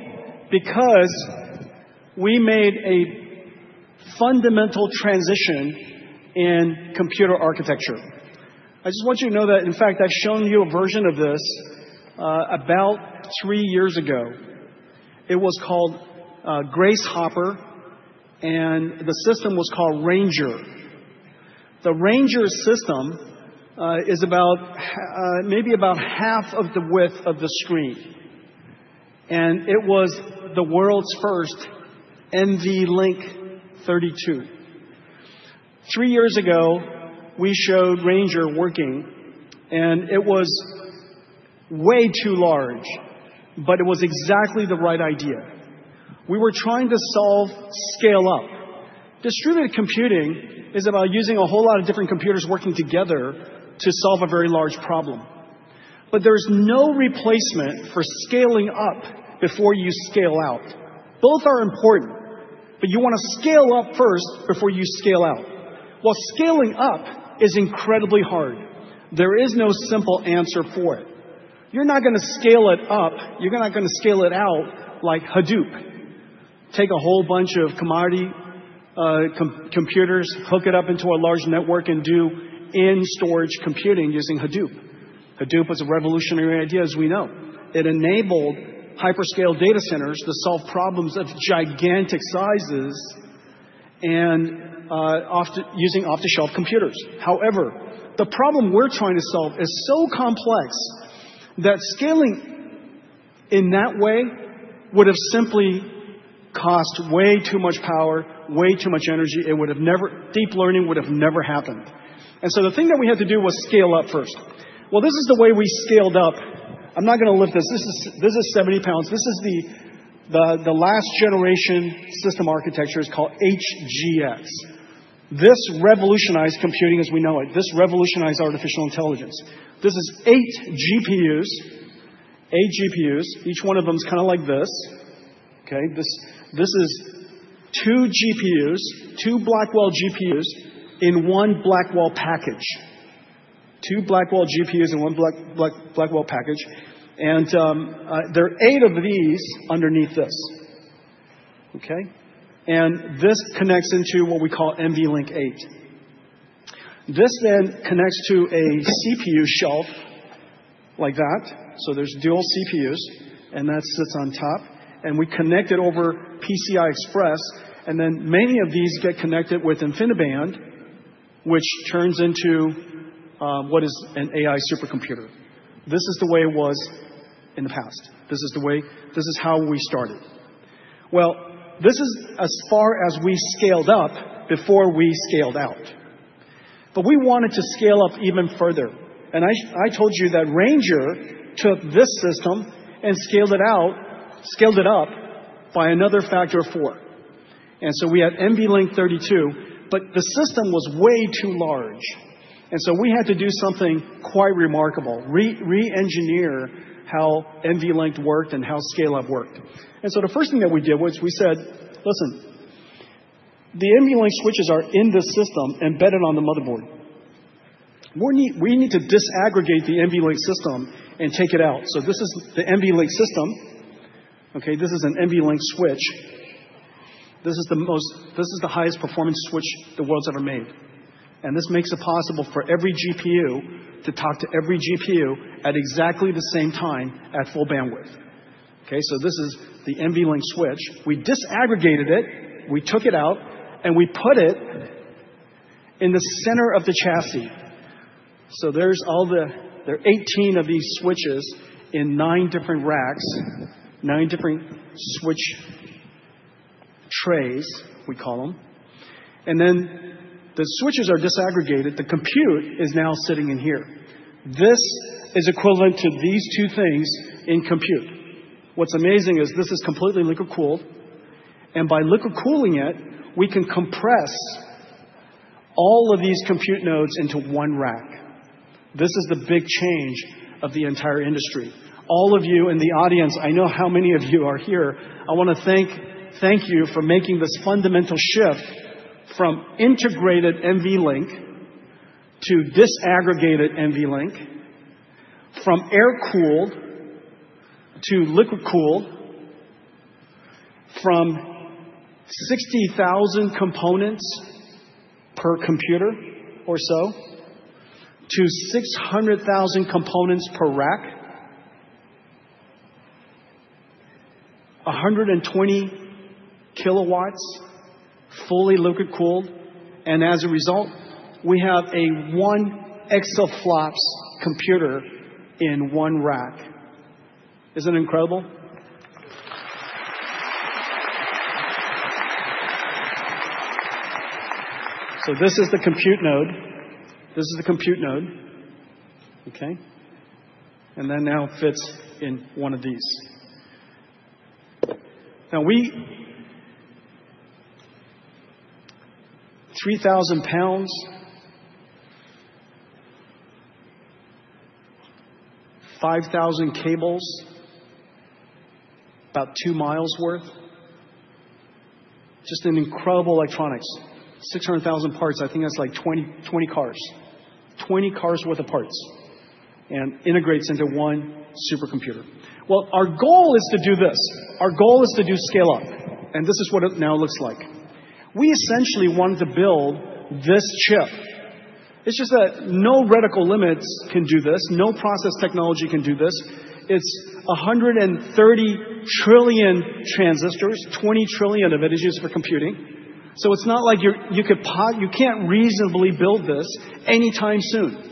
because we made a fundamental transition in computer architecture. I just want you to know that, in fact, I've shown you a version of this about three years ago. It was called Grace Hopper, and the system was called Ranger. The Ranger system is maybe about half of the width of the screen. And it was the world's first NVLink 32. Three years ago, we showed Ranger working, and it was way too large, but it was exactly the right idea. We were trying to solve scale-up. Distributed computing is about using a whole lot of different computers working together to solve a very large problem. There is no replacement for scaling up before you scale out. Both are important, but you want to scale up first before you scale out. Scaling up is incredibly hard. There is no simple answer for it. You're not going to scale it up. You're not going to scale it out like Hadoop. Take a whole bunch of commodity computers, hook it up into a large network, and do in-storage computing using Hadoop. Hadoop was a revolutionary idea, as we know. It enabled hyperscale data centers to solve problems of gigantic sizes and using off-the-shelf computers. However, the problem we're trying to solve is so complex that scaling in that way would have simply cost way too much power, way too much energy. It would have never—deep learning would have never happened. The thing that we had to do was scale up first. This is the way we scaled up. I'm not going to lift this. This is 70 lbs. This is the last generation system architecture. It's called HGX. This revolutionized computing as we know it. This revolutionized artificial intelligence. This is eight GPUs, eight GPUs. Each one of them is kind of like this. Okay, this is two GPUs, two Blackwell GPUs in one Blackwell package. Two Blackwell GPUs in one Blackwell package. And there are eight of these underneath this. Okay, and this connects into what we call NVLink 8. This then connects to a CPU shelf like that. So there's dual CPUs, and that sits on top. And we connect it over PCI Express. And then many of these get connected with InfiniBand, which turns into what is an AI supercomputer. This is the way it was in the past. This is the way—this is how we started. Well, this is as far as we scaled up before we scaled out. But we wanted to scale up even further. And I told you that Ranger took this system and scaled it out, scaled it up by another factor of four. We had NVLink 32, but the system was way too large. We had to do something quite remarkable, re-engineer how NVLink worked and how Scale-Up worked. The first thing that we did was we said, "Listen, the NVLink switches are in this system embedded on the motherboard. We need to disaggregate the NVLink system and take it out." This is the NVLink system. This is an NVLink switch. This is the highest performance switch the world's ever made. This makes it possible for every GPU to talk to every GPU at exactly the same time at full bandwidth. This is the NVLink switch. We disaggregated it. We took it out, and we put it in the center of the chassis. There are 18 of these switches in nine different racks, nine different switch trays, we call them. The switches are disaggregated. The compute is now sitting in here. This is equivalent to these two things in compute. What's amazing is this is completely liquid-cooled. By liquid-cooling it, we can compress all of these compute nodes into one rack. This is the big change of the entire industry. All of you in the audience, I know how many of you are here. I want to thank you for making this fundamental shift from integrated NVLink to disaggregated NVLink, from air-cooled to liquid-cooled, from 60,000 components per computer or so to 600,000 components per rack, 120 kW fully liquid-cooled. As a result, we have a one ExaFLOPS computer in one rack. Isn't it incredible? This is the compute node. This is the compute node. Okay, and then now fits in one of these. Now, we—3,000 lbs, 5,000 cables, about two miles' worth. Just an incredible electronics, 600,000 parts. I think that's like 20 cars, 20 cars' worth of parts and integrates into one supercomputer. Our goal is to do this. Our goal is to do Scale-Up. This is what it now looks like. We essentially wanted to build this chip. It's just that no reticle limits can do this. No process technology can do this. It's 130 trillion transistors. 20 trillion of it is used for computing. So it's not like you can't reasonably build this anytime soon.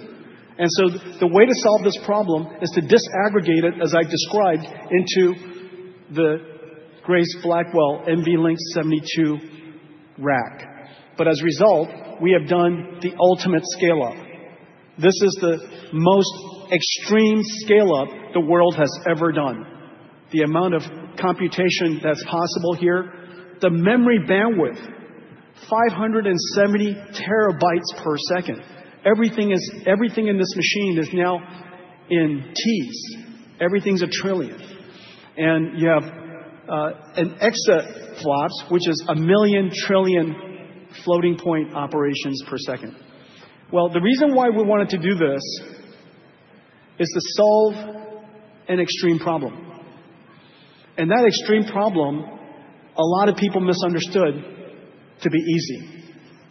The way to solve this problem is to disaggregate it, as I've described, into the Grace Blackwell NVLink 72 rack. As a result, we have done the ultimate Scale-Up. This is the most extreme Scale-Up the world has ever done. The amount of computation that's possible here, the memory bandwidth, 570 TB per second. Everything in this machine is now in teens. Everything's a trillion. You have an ExaFLOPS, which is a million trillion floating-point operations per second. The reason why we wanted to do this is to solve an extreme problem. That extreme problem, a lot of people misunderstood to be easy.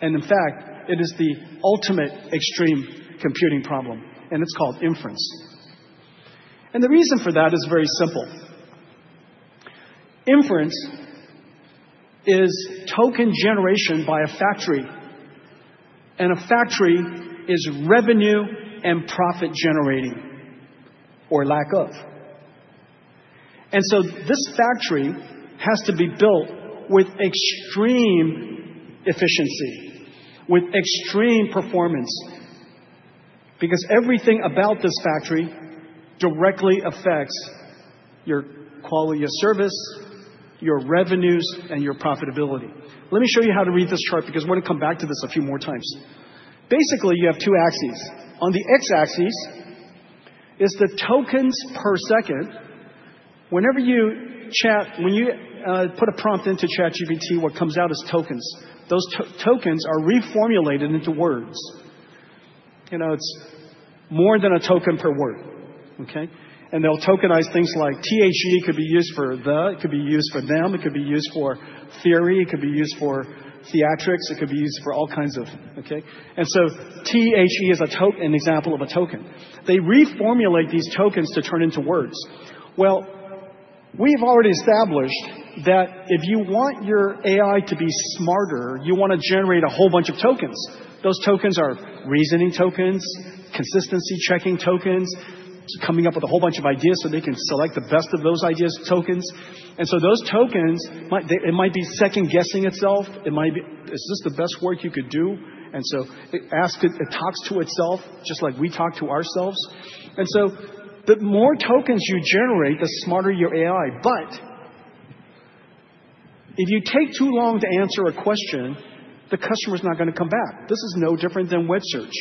In fact, it is the ultimate extreme computing problem. It's called inference. The reason for that is very simple. Inference is token generation by a factory. A factory is revenue and profit generating or lack of. This factory has to be built with extreme efficiency, with extreme performance, because everything about this factory directly affects your quality of service, your revenues, and your profitability. Let me show you how to read this chart because I want to come back to this a few more times. Basically, you have two axes. On the x-axis is the tokens per second. Whenever you put a prompt into ChatGPT, what comes out is tokens. Those tokens are reformulated into words. You know, it's more than a token per word. Okay, and they'll tokenize things like THE could be used for the, it could be used for them, it could be used for theory, it could be used for theatrics, it could be used for all kinds of, okay. THE is an example of a token. They reformulate these tokens to turn into words. Well, we've already established that if you want your AI to be smarter, you want to generate a whole bunch of tokens. Those tokens are reasoning tokens, consistency checking tokens, coming up with a whole bunch of ideas so they can select the best of those ideas, tokens. Those tokens, it might be second-guessing itself. It might be, "Is this the best work you could do?" It asks, it talks to itself, just like we talk to ourselves. The more tokens you generate, the smarter your AI. If you take too long to answer a question, the customer is not going to come back. This is no different than web search.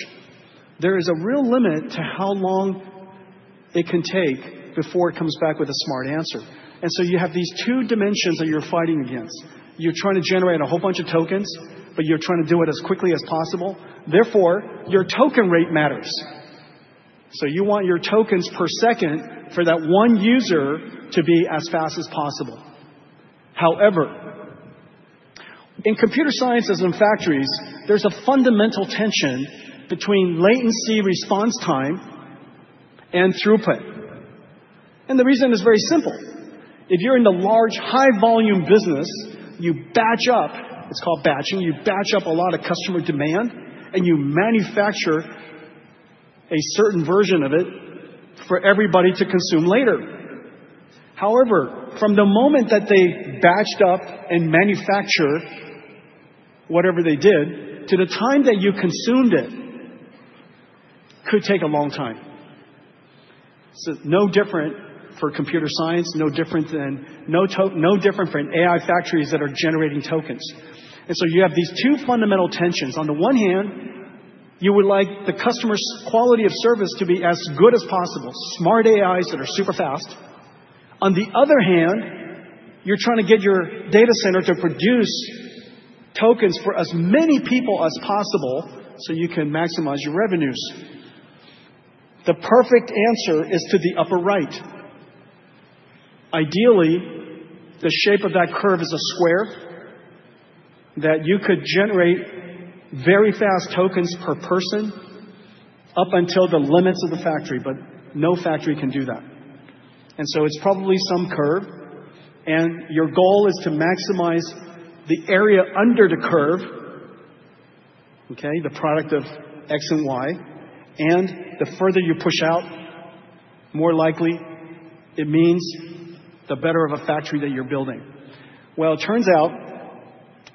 There is a real limit to how long it can take before it comes back with a smart answer. You have these two dimensions that you're fighting against. You're trying to generate a whole bunch of tokens, but you're trying to do it as quickly as possible. Therefore, your token rate matters. You want your tokens per second for that one user to be as fast as possible. However, in computer sciences and factories, there's a fundamental tension between latency response time and throughput. The reason is very simple. If you're in the large high-volume business, you batch up, it's called batching, you batch up a lot of customer demand, and you manufacture a certain version of it for everybody to consume later. However, from the moment that they batched up and manufactured whatever they did, to the time that you consumed it, could take a long time. No different for computer science, no different than, no different for AI factories that are generating tokens. You have these two fundamental tensions. On the one hand, you would like the customer's quality of service to be as good as possible, smart AIs that are super fast. On the other hand, you're trying to get your data center to produce tokens for as many people as possible so you can maximize your revenues. The perfect answer is to the upper right. Ideally, the shape of that curve is a square that you could generate very fast tokens per person up until the limits of the factory, but no factory can do that. It is probably some curve. Your goal is to maximize the area under the curve, okay, the product of X and Y. The further you push out, more likely it means the better of a factory that you're building. It turns out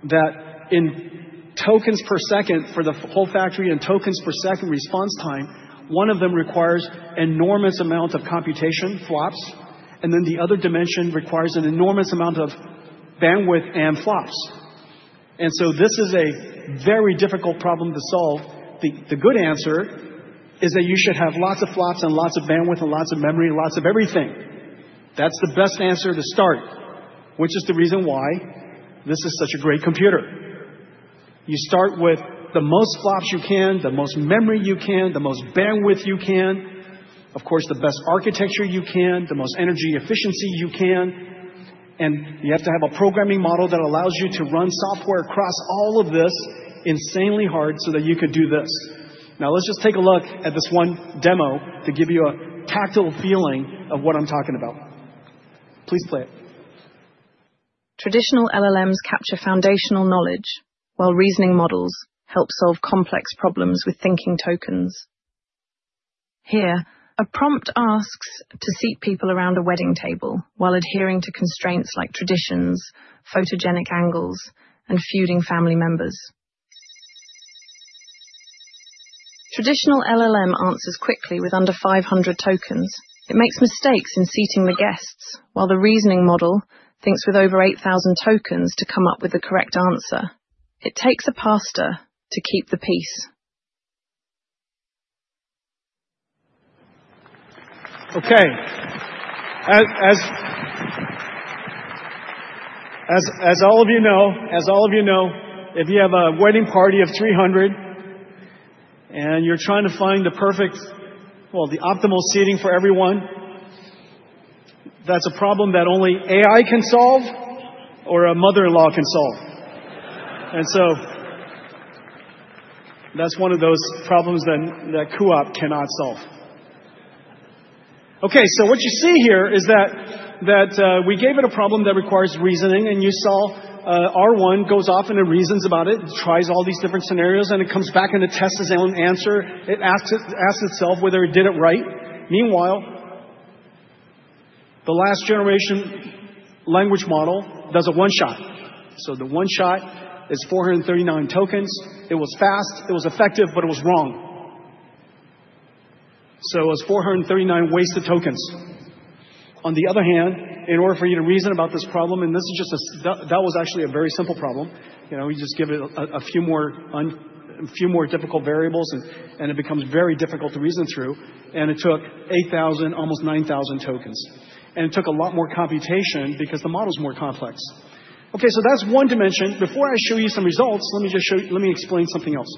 that in tokens per second for the whole factory and tokens per second response time, one of them requires an enormous amount of computation, FLOPS. The other dimension requires an enormous amount of bandwidth and FLOPS. This is a very difficult problem to solve. The good answer is that you should have lots of FLOPS and lots of bandwidth and lots of memory and lots of everything. That's the best answer to start, which is the reason why this is such a great computer. You start with the most FLOPS you can, the most memory you can, the most bandwidth you can, of course, the best architecture you can, the most energy efficiency you can. You have to have a programming model that allows you to run software across all of this insanely hard so that you could do this. Now, let's just take a look at this one demo to give you a tactile feeling of what I'm talking about. Please play it. Traditional LLMs capture foundational knowledge, while reasoning models help solve complex problems with thinking tokens. Here, a prompt asks to seat people around a wedding table while adhering to constraints like traditions, photogenic angles, and feuding family members. Traditional LLM answers quickly with under 500 tokens. It makes mistakes in seating the guests, while the reasoning model thinks with over 8,000 tokens to come up with the correct answer. It takes a pasta to keep the peace. Okay, as all of you know, if you have a wedding party of 300 and you're trying to find the perfect, well, the optimal seating for everyone, that's a problem that only AI can solve or a mother-in-law can solve. That is one of those problems that cuOpt cannot solve. Okay, so what you see here is that we gave it a problem that requires reasoning, and you saw R1 goes off and it reasons about it, tries all these different scenarios, and it comes back and it tests its own answer. It asks itself whether it did it right. Meanwhile, the last generation language model does a one-shot. The one-shot is 439 tokens. It was fast, it was effective, but it was wrong. It was 439 wasted tokens. On the other hand, in order for you to reason about this problem, and this is just a—that was actually a very simple problem. You know, you just give it a few more difficult variables, and it becomes very difficult to reason through. It took 8,000, almost 9,000 tokens. It took a lot more computation because the model is more complex. Okay, so that's one dimension. Before I show you some results, let me just show you—let me explain something else.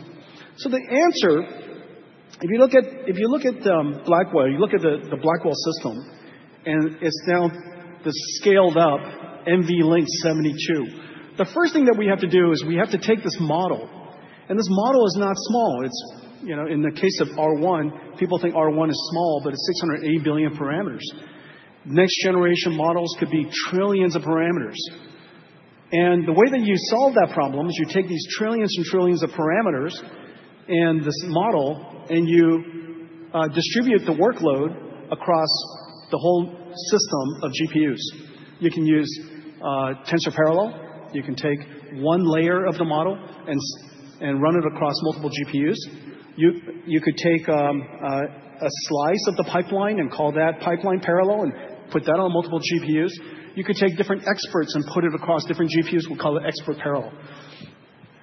The answer, if you look at Blackwell, you look at the Blackwell system, and it is now the scaled-up NVLink 72. The first thing that we have to do is we have to take this model. This model is not small. It is, you know, in the case of R1, people think R1 is small, but it is 680 billion parameters. Next-generation models could be trillions of parameters. The way that you solve that problem is you take these trillions and trillions of parameters and this model, and you distribute the workload across the whole system of GPUs. You can use Tensor Parallel. You can take one layer of the model and run it across multiple GPUs. You could take a slice of the pipeline and call that pipeline parallel and put that on multiple GPUs. You could take different experts and put it across different GPUs. We'll call it expert parallel.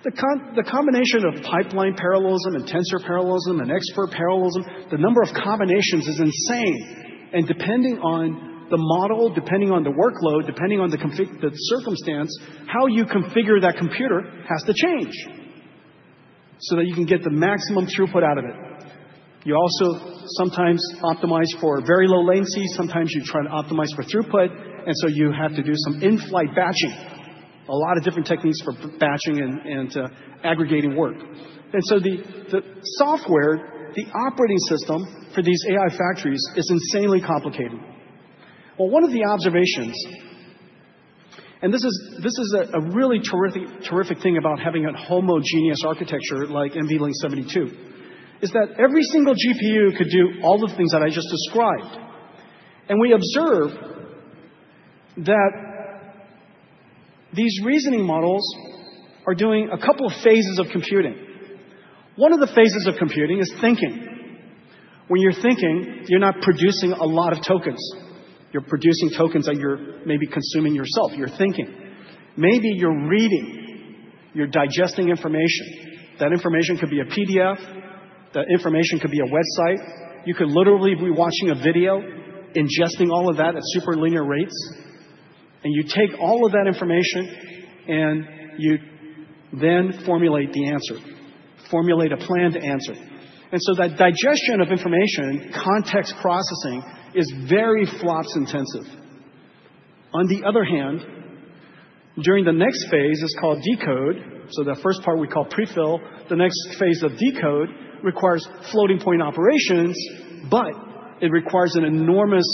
The combination of pipeline parallelism and tensor parallelism and expert parallelism, the number of combinations is insane. Depending on the model, depending on the workload, depending on the circumstance, how you configure that computer has to change so that you can get the maximum throughput out of it. You also sometimes optimize for very low latency. Sometimes you try to optimize for throughput. You have to do some in-flight batching, a lot of different techniques for batching and aggregating work. The software, the operating system for these AI factories is insanely complicated. One of the observations, and this is a really terrific thing about having a homogeneous architecture like NVLink 72, is that every single GPU could do all the things that I just described. We observe that these reasoning models are doing a couple of phases of computing. One of the phases of computing is thinking. When you're thinking, you're not producing a lot of tokens. You're producing tokens that you're maybe consuming yourself. You're thinking. Maybe you're reading, you're digesting information. That information could be a PDF. That information could be a website. You could literally be watching a video, ingesting all of that at super linear rates. You take all of that information and you then formulate the answer, formulate a planned answer. That digestion of information, context processing, is very FLOPS intensive. On the other hand, during the next phase, it's called decode. The first part we call prefill. The next phase of decode requires floating-point operations, but it requires an enormous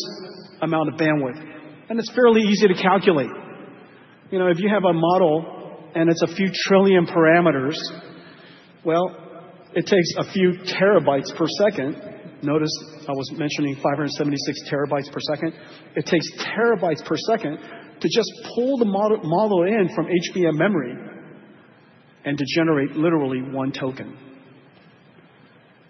amount of bandwidth. And it's fairly easy to calculate. You know, if you have a model and it's a few trillion parameters, well, it takes a few terabytes per second. Notice I was mentioning 576 TB per second. It takes terabytes per second to just pull the model in from HBM memory and to generate literally one token.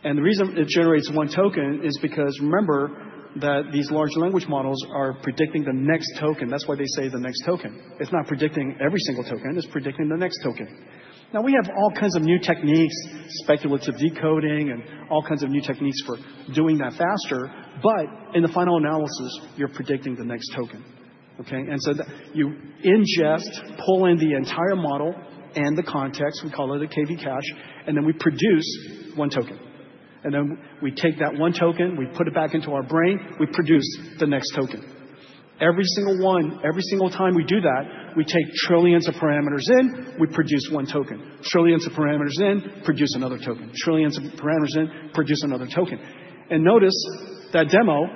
The reason it generates one token is because, remember, that these large language models are predicting the next token. That's why they say the next token. It's not predicting every single token. It's predicting the next token. Now, we have all kinds of new techniques, speculative decoding, and all kinds of new techniques for doing that faster. In the final analysis, you're predicting the next token. Okay, and so you ingest, pull in the entire model and the context. We call it a KV cache. Then we produce one token. Then we take that one token, we put it back into our brain, we produce the next token. Every single one, every single time we do that, we take trillions of parameters in, we produce one token. Trillions of parameters in, produce another token. Trillions of parameters in, produce another token. Notice that demo,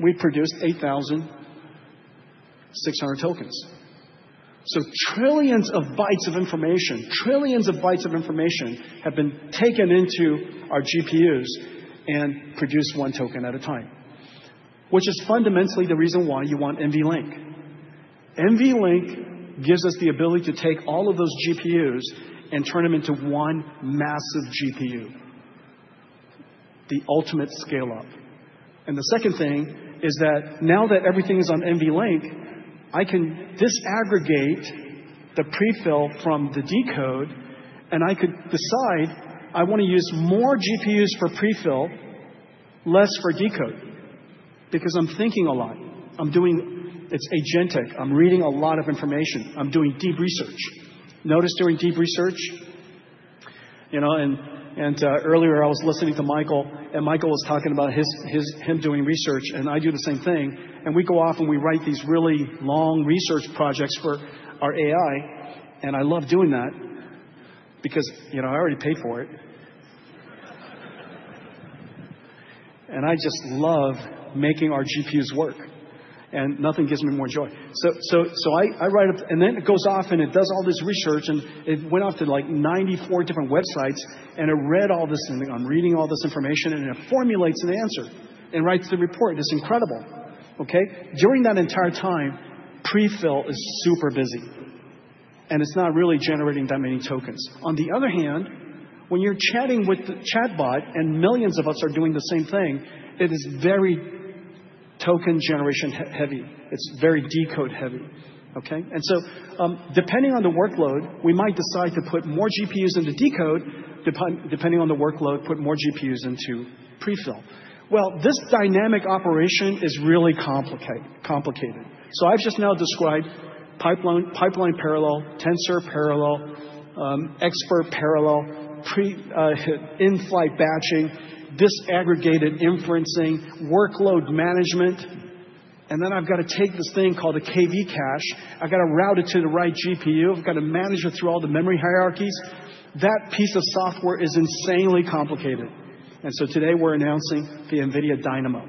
we produced 8,600 tokens. Trillions of bytes of information, trillions of bytes of information have been taken into our GPUs and produced one token at a time, which is fundamentally the reason why you want NVLink. NVLink gives us the ability to take all of those GPUs and turn them into one massive GPU, the ultimate scale-up. The second thing is that now that everything is on NVLink, I can disaggregate the prefill from the decode, and I could decide I want to use more GPUs for prefill, less for decode, because I'm thinking a lot. I'm doing, it's agentic. I'm reading a lot of information. I'm doing deep research. Notice during deep research, you know, and earlier I was listening to Michael, and Michael was talking about him doing research, and I do the same thing. We go off and we write these really long research projects for our AI. I love doing that because, you know, I already paid for it. I just love making our GPUs work. Nothing gives me more joy. I write up, and then it goes off and it does all this research, and it went off to like 94 different websites, and it read all this, and I'm reading all this information, and it formulates an answer and writes the report. It's incredible. Okay, during that entire time, prefill is super busy, and it's not really generating that many tokens. On the other hand, when you're chatting with the chatbot and millions of us are doing the same thing, it is very token generation heavy. It's very decode heavy. Okay, and so depending on the workload, we might decide to put more GPUs into decode. Depending on the workload, put more GPUs into prefill. This dynamic operation is really complicated. I've just now described pipeline parallel, tensor parallel, expert parallel, in-flight batching, disaggregated inferencing, workload management. I've got to take this thing called a KV cache. I've got to route it to the right GPU. I've got to manage it through all the memory hierarchies. That piece of software is insanely complicated. Today we're announcing the NVIDIA Dynamo.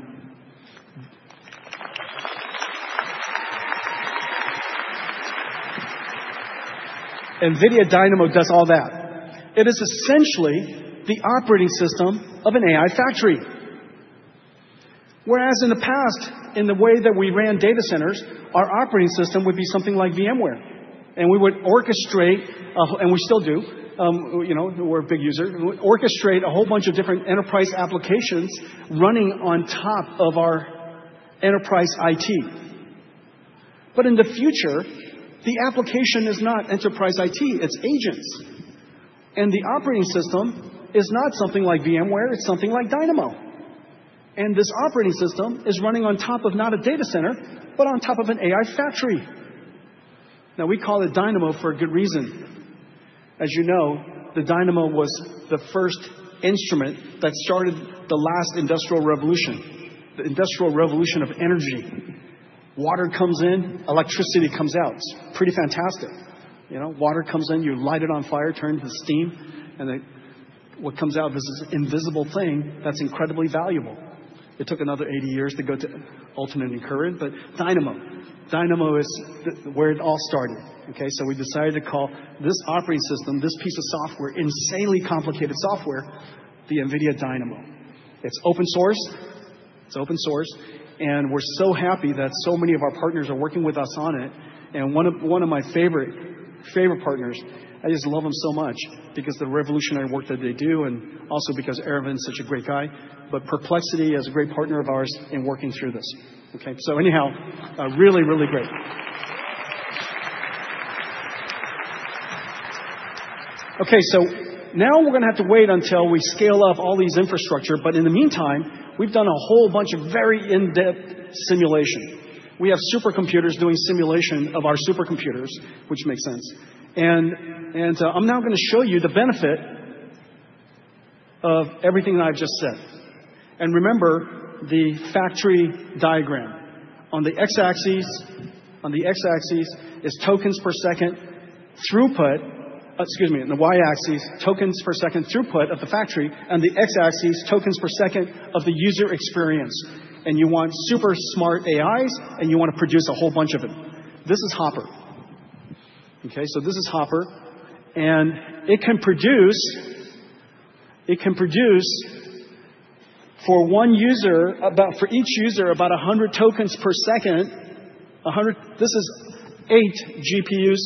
NVIDIA Dynamo does all that. It is essentially the operating system of an AI factory. Whereas in the past, in the way that we ran data centers, our operating system would be something like VMware. We would orchestrate, and we still do, you know, we're a big user, orchestrate a whole bunch of different enterprise applications running on top of our enterprise IT. In the future, the application is not enterprise IT. It's agents. The operating system is not something like VMware. It's something like Dynamo. This operating system is running on top of not a data center, but on top of an AI factory. Now, we call it Dynamo for a good reason. As you know, the Dynamo was the first instrument that started the last industrial revolution, the industrial revolution of energy. Water comes in, electricity comes out. It's pretty fantastic. You know, water comes in, you light it on fire, turns the steam, and what comes out is this invisible thing that's incredibly valuable. It took another 80 years to go to alternating current, but Dynamo. Dynamo is where it all started. Okay, we decided to call this operating system, this piece of software, insanely complicated software, the NVIDIA Dynamo. It's open source. It's open source. We're so happy that so many of our partners are working with us on it. One of my favorite partners, I just love them so much because of the revolutionary work that they do, and also because Erwin's such a great guy. Perplexity is a great partner of ours in working through this. Okay, really, really great. Now we're going to have to wait until we scale up all these infrastructure, but in the meantime, we've done a whole bunch of very in-depth simulation. We have supercomputers doing simulation of our supercomputers, which makes sense. I'm now going to show you the benefit of everything that I've just said. Remember the factory diagram. On the X-axis, on the X-axis is tokens per second throughput, excuse me, on the Y-axis, tokens per second throughput of the factory, and the X-axis, tokens per second of the user experience. You want super smart AIs, and you want to produce a whole bunch of them. This is Hopper. Okay, so this is Hopper. It can produce, it can produce for one user, about for each user, about 100 tokens per second. This is eight GPUs,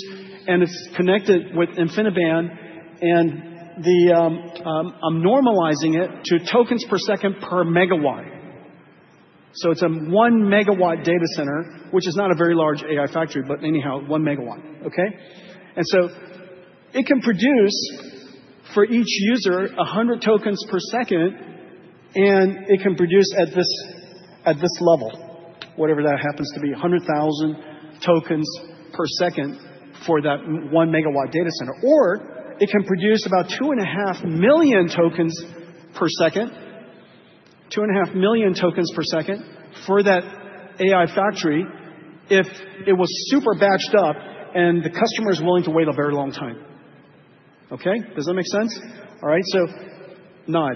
and it's connected with InfiniBand. I'm normalizing it to tokens per second per megawatt. It is a one megawatt data center, which is not a very large AI factory, but anyhow, one megawatt. It can produce for each user 100 tokens per second, and it can produce at this level, whatever that happens to be, 100,000 tokens per second for that one megawatt data center. Or it can produce about two and a half million tokens per second, two and a half million tokens per second for that AI factory if it was super batched up and the customer is willing to wait a very long time. Okay, does that make sense? All right, so nod.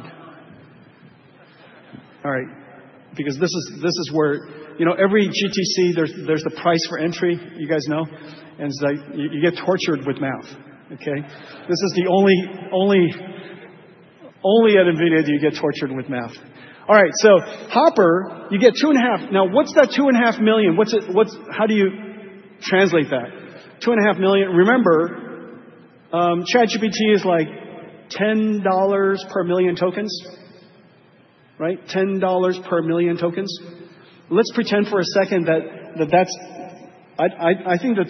All right, because this is where, you know, every GTC, there's the price for entry, you guys know, and it's like you get tortured with math. Okay, this is the only, only at NVIDIA do you get tortured with math. All right, so Hopper, you get two and a half. Now, what's that two and a half million? What's it? How do you translate that? Two and a half million. Remember, ChatGPT is like $10 per million tokens, right? $10 per million tokens. Let's pretend for a second that that's, I think the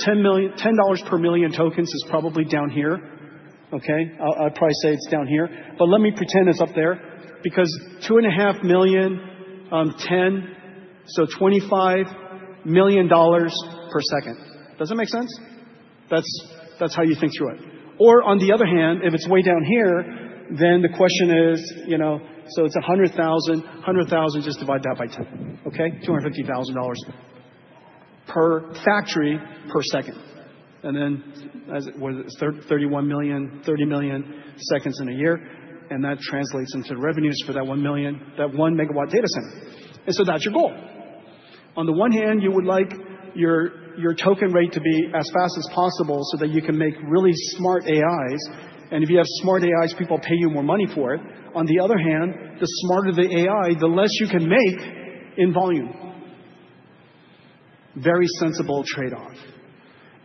$10 per million tokens is probably down here. Okay, I'd probably say it's down here, but let me pretend it's up there because two and a half million, 10, so $25 million per second. Does that make sense? That's how you think through it. Or on the other hand, if it's way down here, then the question is, you know, so it's 100,000, 100,000, just divide that by 10. Okay, $250,000 per factory per second. And then was it 31 million, 30 million seconds in a year? And that translates into revenues for that one million, that one megawatt data center. And so that's your goal. On the one hand, you would like your token rate to be as fast as possible so that you can make really smart AIs. If you have smart AIs, people pay you more money for it. On the other hand, the smarter the AI, the less you can make in volume. Very sensible trade-off.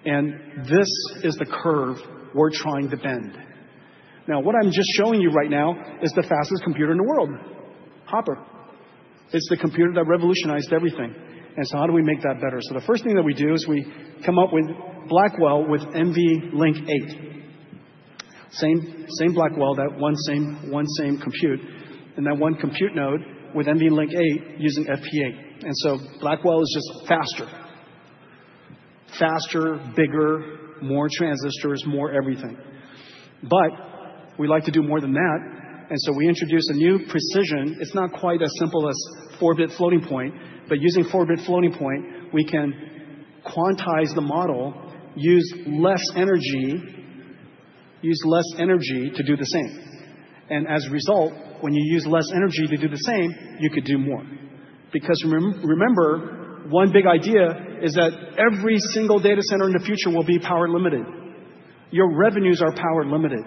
This is the curve we're trying to bend. What I'm just showing you right now is the fastest computer in the world, Hopper. It's the computer that revolutionized everything. How do we make that better? The first thing that we do is we come up with Blackwell with NVLink 8. Same Blackwell, that one same compute, and that one compute node with NVLink 8 using FP8. Blackwell is just faster. Faster, bigger, more transistors, more everything. We like to do more than that. We introduce a new precision. It's not quite as simple as 4-bit floating point, but using 4-bit floating point, we can quantize the model, use less energy, use less energy to do the same. As a result, when you use less energy to do the same, you could do more. Because remember, one big idea is that every single data center in the future will be power limited. Your revenues are power limited.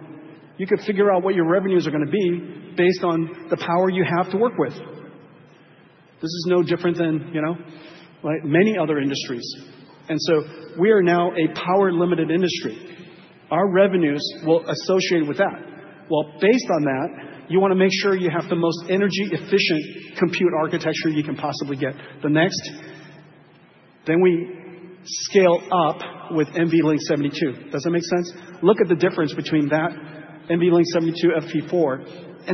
You could figure out what your revenues are going to be based on the power you have to work with. This is no different than, you know, like many other industries. We are now a power limited industry. Our revenues will associate with that. Based on that, you want to make sure you have the most energy efficient compute architecture you can possibly get. The next, then we scale up with NVLink 72. Does that make sense? Look at the difference between that NVLink 72 FP4.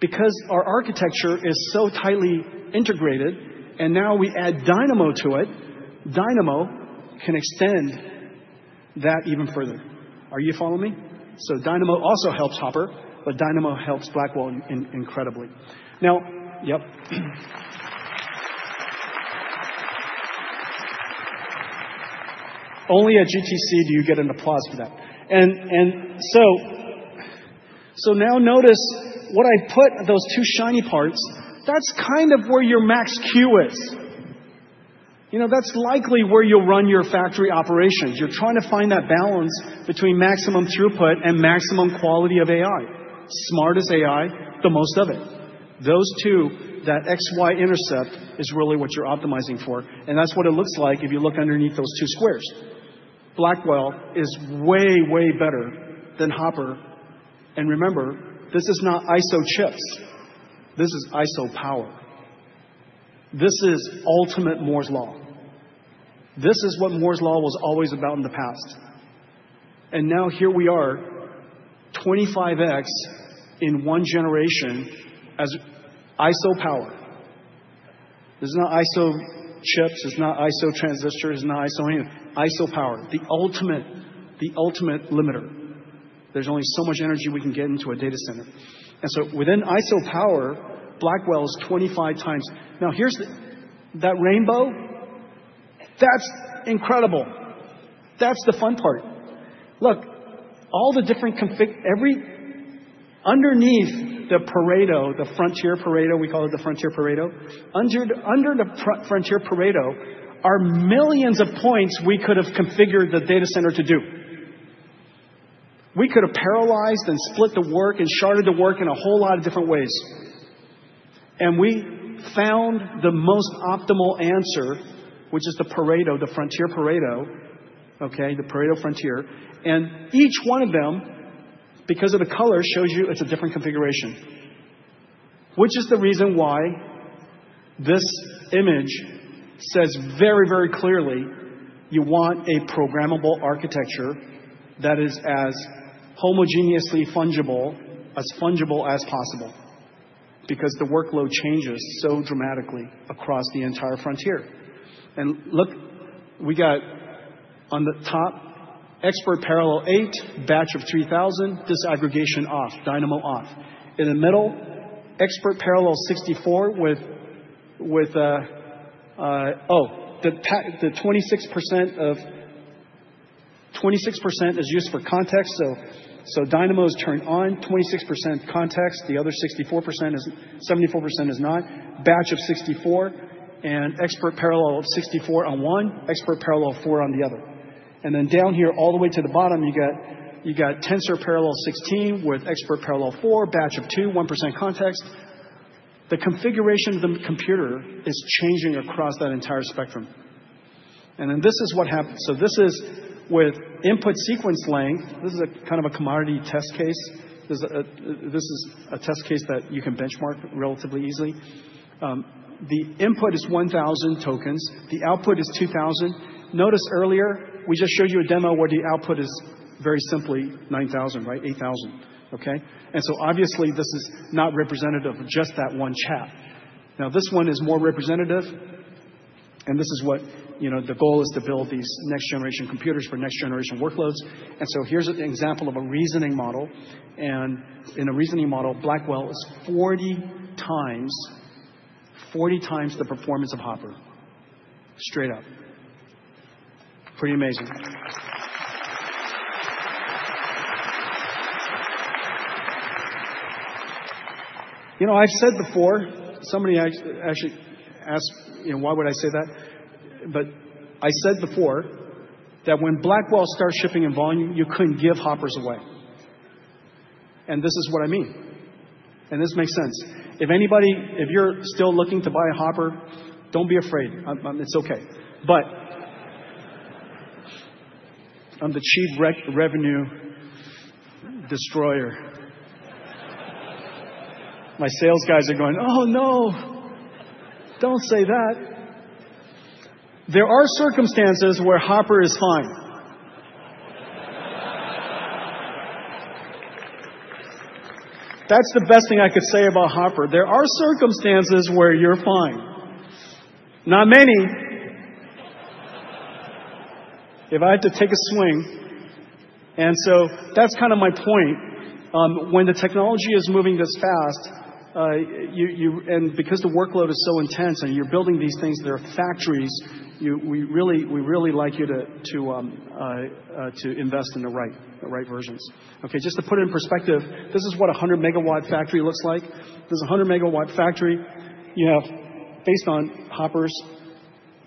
Because our architecture is so tightly integrated, and now we add Dynamo to it, Dynamo can extend that even further. Are you following me? Dynamo also helps Hopper, but Dynamo helps Blackwell incredibly. Yep. Only at GTC do you get an applause for that. Now notice what I put those two shiny parts. That is kind of where your Max q is. You know, that is likely where you will run your factory operations. You are trying to find that balance between maximum throughput and maximum quality of AI. Smartest AI, the most of it. Those two, that XY intercept is really what you are optimizing for. That is what it looks like if you look underneath those two squares. Blackwell is way, way better than Hopper. Remember, this is not ISO chips. This is ISO power. This is ultimate Moore's law. This is what Moore's law was always about in the past. Now here we are, 25x in one generation as ISO power. This is not ISO chips. It's not ISO transistors. It's not ISO anything. ISO power, the ultimate, the ultimate limiter. There's only so much energy we can get into a data center. Within ISO power, Blackwell is 25 times. Now here's that rainbow. That's incredible. That's the fun part. Look, all the different config, every underneath the Pareto, the frontier Pareto, we call it the frontier Pareto. Under the frontier Pareto are millions of points we could have configured the data center to do. We could have paralyzed and split the work and sharded the work in a whole lot of different ways. We found the most optimal answer, which is the Pareto, the frontier Pareto, okay, the Pareto frontier. Each one of them, because of the color, shows you it's a different configuration, which is the reason why this image says very, very clearly you want a programmable architecture that is as homogeneously fungible as possible because the workload changes so dramatically across the entire frontier. Look, we got on the top, expert parallel 8, batch of 3000, disaggregation off, Dynamo off. In the middle, expert parallel 64 with, with, oh, the 26% of 26% is used for context. Dynamo is turned on, 26% context. The other 64% is 74% is not. Batch of 64 and expert parallel of 64 on one, expert parallel 4 on the other. Then down here all the way to the bottom, you got tensor parallel 16 with expert parallel 4, batch of 2, 1% context. The configuration of the computer is changing across that entire spectrum. This is what happens. This is with input sequence length. This is a kind of a commodity test case. This is a test case that you can benchmark relatively easily. The input is 1000 tokens. The output is 2000. Notice earlier, we just showed you a demo where the output is very simply 9000, right? 8000. Obviously this is not representative of just that one chap. Now this one is more representative. This is what, you know, the goal is to build these next generation computers for next generation workloads. Here's an example of a reasoning model. In a reasoning model, Blackwell is 40x, 40x the performance of Hopper. Straight up. Pretty amazing. You know, I've said before, somebody actually asked, you know, why would I say that? I said before that when Blackwell starts shipping in volume, you couldn't give Hoppers away. This is what I mean. This makes sense. If anybody, if you're still looking to buy a Hopper, don't be afraid. It's okay. I'm the chief revenue destroyer. My sales guys are going, "Oh no, don't say that." There are circumstances where Hopper is fine. That's the best thing I could say about Hopper. There are circumstances where you're fine. Not many. If I had to take a swing. That's kind of my point. When the technology is moving this fast, you, and because the workload is so intense and you're building these things, there are factories, we really like you to invest in the right versions. Okay, just to put it in perspective, this is what a 100 MW factory looks like. There's a 100 MW factory. You have, based on Hoppers,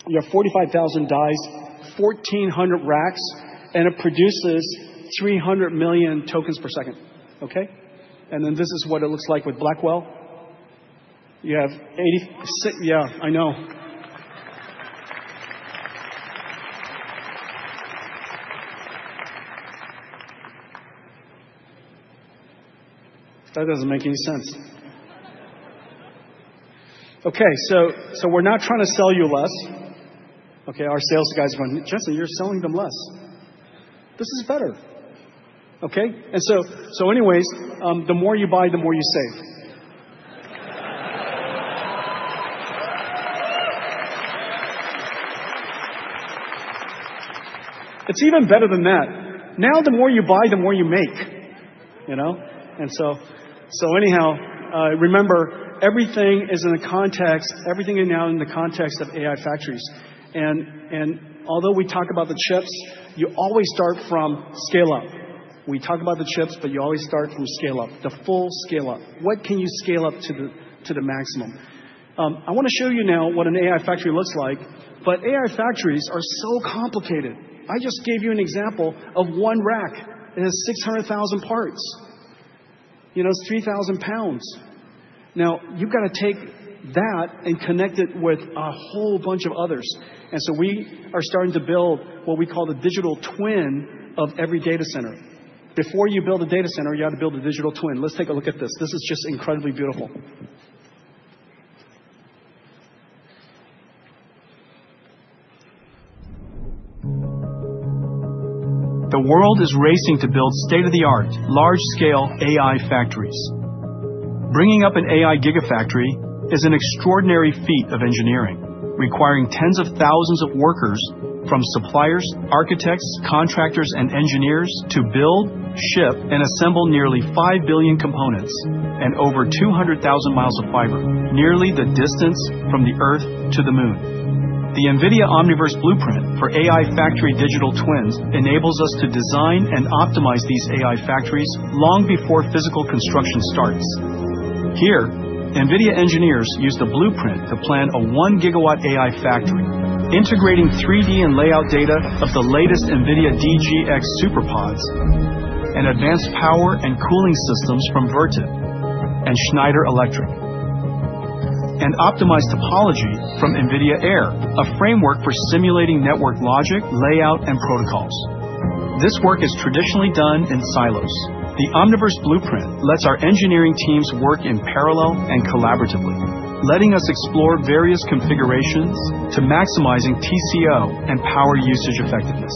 you have 45,000 dies, 1,400 racks, and it produces 300 million tokens per second. Okay. This is what it looks like with Blackwell. You have 86, yeah, I know. That doesn't make any sense. Okay, we are not trying to sell you less. Our sales guys are going, "Jensen, you're selling them less." This is better. Anyways, the more you buy, the more you save. It's even better than that. Now the more you buy, the more you make, you know? Anyhow, remember, everything is in the context, everything is now in the context of AI factories. Although we talk about the chips, you always start from scale up. We talk about the chips, but you always start from scale up, the full scale up. What can you scale up to the maximum? I want to show you now what an AI factory looks like, but AI factories are so complicated. I just gave you an example of one rack. It has 600,000 parts. You know, it's 3,000 lbs. Now you've got to take that and connect it with a whole bunch of others. We are starting to build what we call the digital twin of every data center. Before you build a data center, you have to build a digital twin. Let's take a look at this. This is just incredibly beautiful. The world is racing to build state-of-the-art, large-scale AI factories. Bringing up an AI gigafactory is an extraordinary feat of engineering, requiring tens of thousands of workers from suppliers, architects, contractors, and engineers to build, ship, and assemble nearly 5 billion components and over 200,000 miles of fiber, nearly the distance from the Earth to the Moon. The NVIDIA Omniverse Blueprint for AI Factory Digital Twins enables us to design and optimize these AI factories long before physical construction starts. Here, NVIDIA engineers use the blueprint to plan a 1-gigawatt AI factory, integrating 3D and layout data of the latest NVIDIA DGX Superpods, and advanced power and cooling systems from Vertiv and Schneider Electric, and optimized topology from NVIDIA Air, a framework for simulating network logic, layout, and protocols. This work is traditionally done in silos. The Omniverse Blueprint lets our engineering teams work in parallel and collaboratively, letting us explore various configurations to maximizing TCO and power usage effectiveness.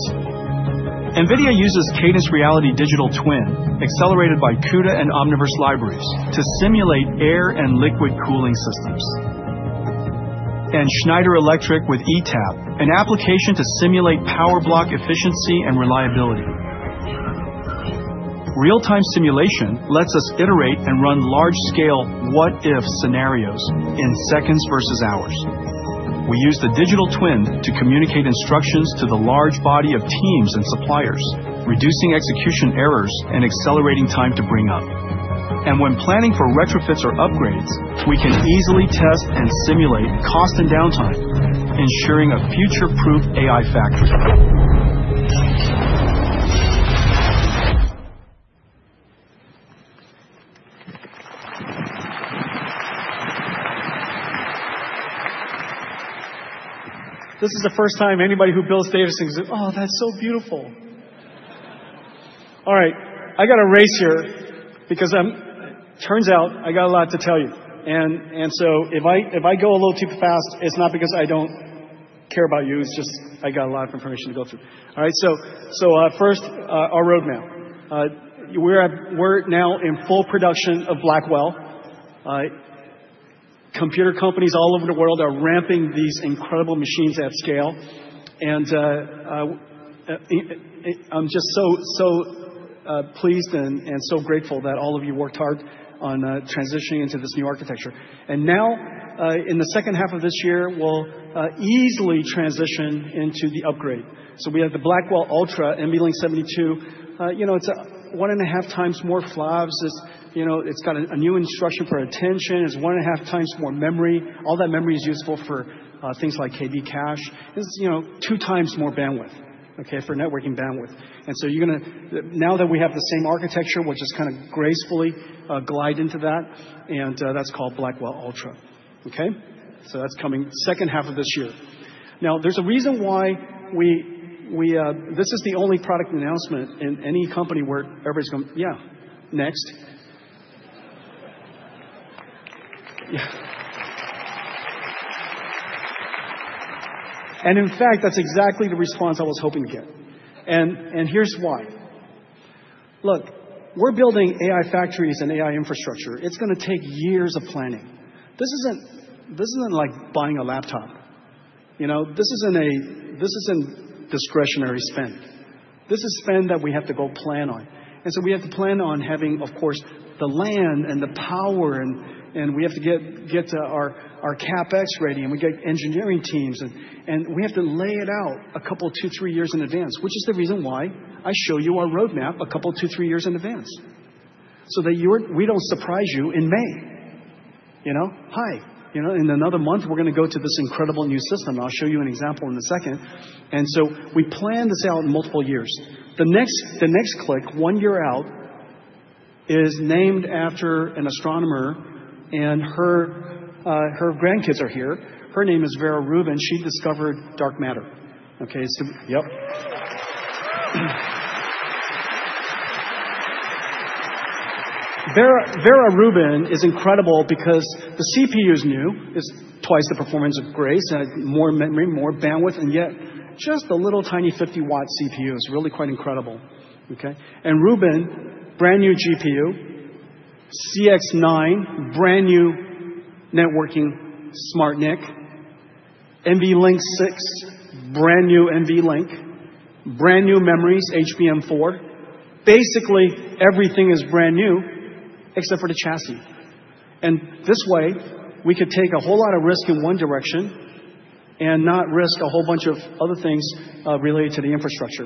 NVIDIA uses Cadence Reality Digital Twin, accelerated by CUDA and Omniverse libraries, to simulate air and liquid cooling systems. Schneider Electric with ETAP, an application to simulate power block efficiency and reliability. Real-time simulation lets us iterate and run large-scale what-if scenarios in seconds versus hours. We use the digital twin to communicate instructions to the large body of teams and suppliers, reducing execution errors and accelerating time to bring up. When planning for retrofits or upgrades, we can easily test and simulate cost and downtime, ensuring a future-proof AI factory. This is the first time anybody who builds data thinks, "Oh, that's so beautiful." All right, I got a race here because it turns out I got a lot to tell you. If I go a little too fast, it's not because I don't care about you. It's just I got a lot of information to go through. All right, first, our roadmap. We're now in full production of Blackwell. Computer companies all over the world are ramping these incredible machines at scale. I'm just so pleased and so grateful that all of you worked hard on transitioning into this new architecture. Now, in the second half of this year, we'll easily transition into the upgrade. We have the Blackwell Ultra NVLink 72. You know, it's one and a half times more FLOPS. You know, it's got a new instruction for attention. It's one and a half times more memory. All that memory is useful for things like KV cache. It's, you know, two times more bandwidth, okay, for networking bandwidth. You're going to, now that we have the same architecture, we'll just kind of gracefully glide into that. That's called Blackwell Ultra. Okay. That's coming second half of this year. Now, there's a reason why we, this is the only product announcement in any company where everybody's going, "Yeah, next." Yeah. In fact, that's exactly the response I was hoping to get. Here's why. Look, we're building AI factories and AI infrastructure. It's going to take years of planning. This isn't like buying a laptop. You know, this isn't discretionary spend. This is spend that we have to go plan on. We have to plan on having, of course, the land and the power, and we have to get to our CapEx ready, and we get engineering teams, and we have to lay it out a couple, two, three years in advance, which is the reason why I show you our roadmap a couple, two, three years in advance. That way we don't surprise you in May. You know, hi, you know, in another month, we're going to go to this incredible new system. I'll show you an example in a second. We plan to sell out in multiple years. The next click, one year out, is named after an astronomer, and her grandkids are here. Her name is Vera Rubin. She discovered dark matter. Okay, so, yep. Vera Rubin is incredible because the CPU is new. It's twice the performance of Grace and more memory, more bandwidth, and yet just a little tiny 50-watt CPU is really quite incredible. Okay. Rubin, brand new GPU, CX9, brand new networking SmartNIC, NVLink 6, brand new NVLink, brand new memories, HBM4. Basically, everything is brand new except for the chassis. This way, we could take a whole lot of risk in one direction and not risk a whole bunch of other things related to the infrastructure.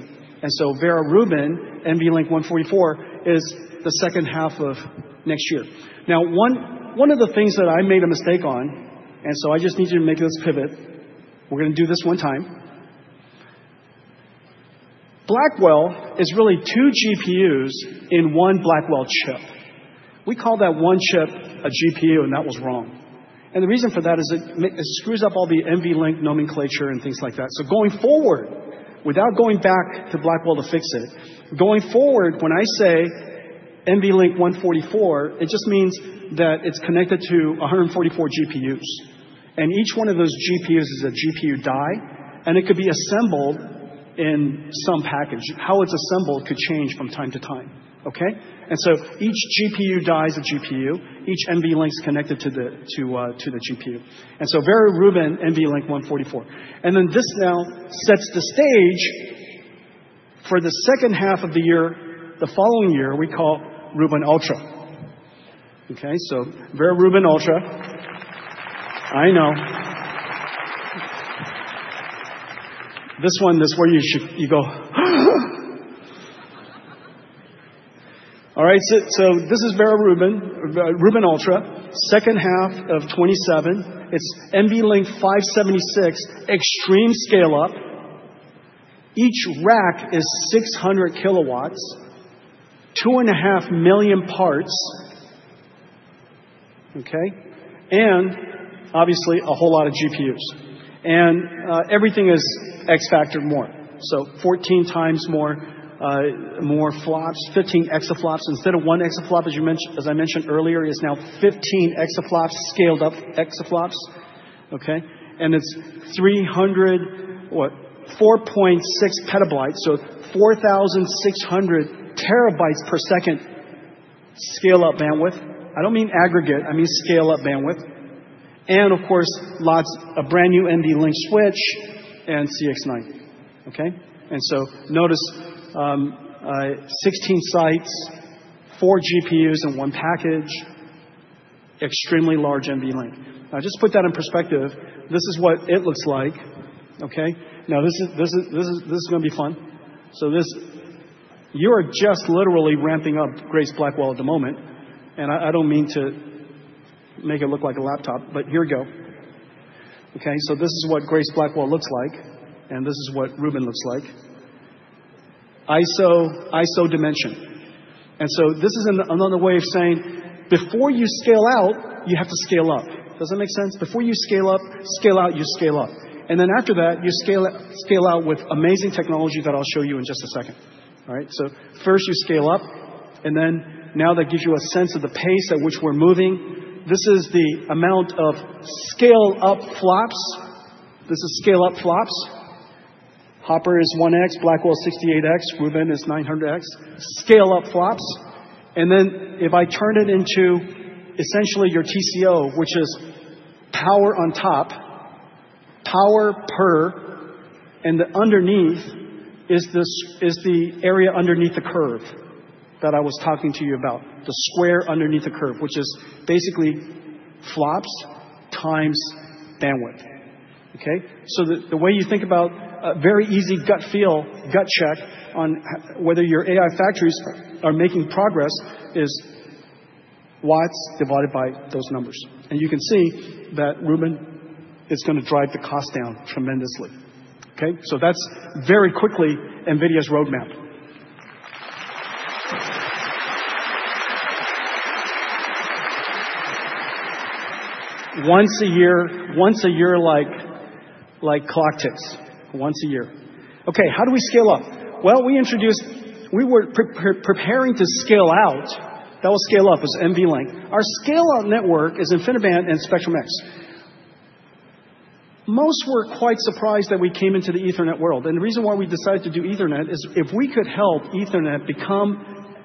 Vera Rubin, NVLink 144, is the second half of next year. Now, one of the things that I made a mistake on, and I just need you to make this pivot. We're going to do this one time. Blackwell is really two GPUs in one Blackwell chip. We call that one chip a GPU, and that was wrong. The reason for that is it screws up all the NVLink nomenclature and things like that. Going forward, without going back to Blackwell to fix it, going forward, when I say NVLink 144, it just means that it's connected to 144 GPUs. Each one of those GPUs is a GPU die, and it could be assembled in some package. How it's assembled could change from time to time. Okay. Each GPU die is a GPU. Each NVLink is connected to the GPU. Vera Rubin, NVLink 144. This now sets the stage for the second half of the year, the following year, we call Rubin Ultra. Okay. Vera Rubin Ultra. I know. This one, this where you should, you go. All right. This is Vera Rubin, Rubin Ultra, second half of 2027. It's NVLink 576 extreme scale up. Each rack is 600 kW, two and a half million parts. Okay. And obviously, a whole lot of GPUs. And everything is X factor more. So 14x more, more flops, 15 exaflops. Instead of one exaflop, as I mentioned earlier, it's now 15 exaflops scaled up exaflops. Okay. And it's 300, what, 4.6 PB, so 4,600 TB per second scale-up bandwidth. I don't mean aggregate. I mean scale-up bandwidth. And of course, lots of brand new NVLink Switch and CX9. Okay. And so notice 16 sites, four GPUs in one package, extremely large NVLink. Now, just to put that in perspective, this is what it looks like. Okay. Now, this is going to be fun. So this, you are just literally ramping up Grace Blackwell at the moment. And I don't mean to make it look like a laptop, but here we go. Okay. This is what Grace Blackwell looks like. This is what Rubin looks like. ISO dimension. This is another way of saying, before you scale out, you have to scale up. Does that make sense? Before you scale up, scale out, you scale up. After that, you scale out with amazing technology that I'll show you in just a second. All right. First you scale up, and then now that gives you a sense of the pace at which we're moving. This is the amount of scale-up flops. This is scale-up flops. Hopper is 1x, Blackwell is 68x, Rubin is 900x. Scale-up flops. If I turn it into essentially your TCO, which is power on top, power per, and the underneath is the area underneath the curve that I was talking to you about, the square underneath the curve, which is basically flops times bandwidth. Okay. The way you think about a very easy gut feel, gut check on whether your AI factories are making progress is watts divided by those numbers. You can see that Rubin is going to drive the cost down tremendously. Okay. That is very quickly NVIDIA's roadmap. Once a year, once a year like clock ticks, once a year. Okay. How do we scale up? We introduced, we were preparing to scale out. That was scale up, it was NVLink. Our scale-out network is InfiniBand and Spectrum-X. Most were quite surprised that we came into the Ethernet world. The reason why we decided to do Ethernet is if we could help Ethernet become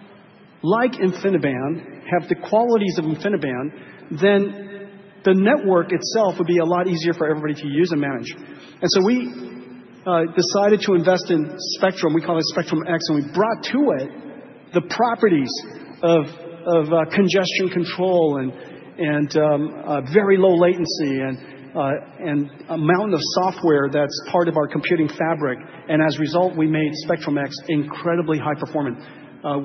like InfiniBand, have the qualities of InfiniBand, then the network itself would be a lot easier for everybody to use and manage. We decided to invest in Spectrum. We call it Spectrum-X, and we brought to it the properties of congestion control and very low latency and a mountain of software that's part of our computing fabric. As a result, we made Spectrum-X incredibly high performant.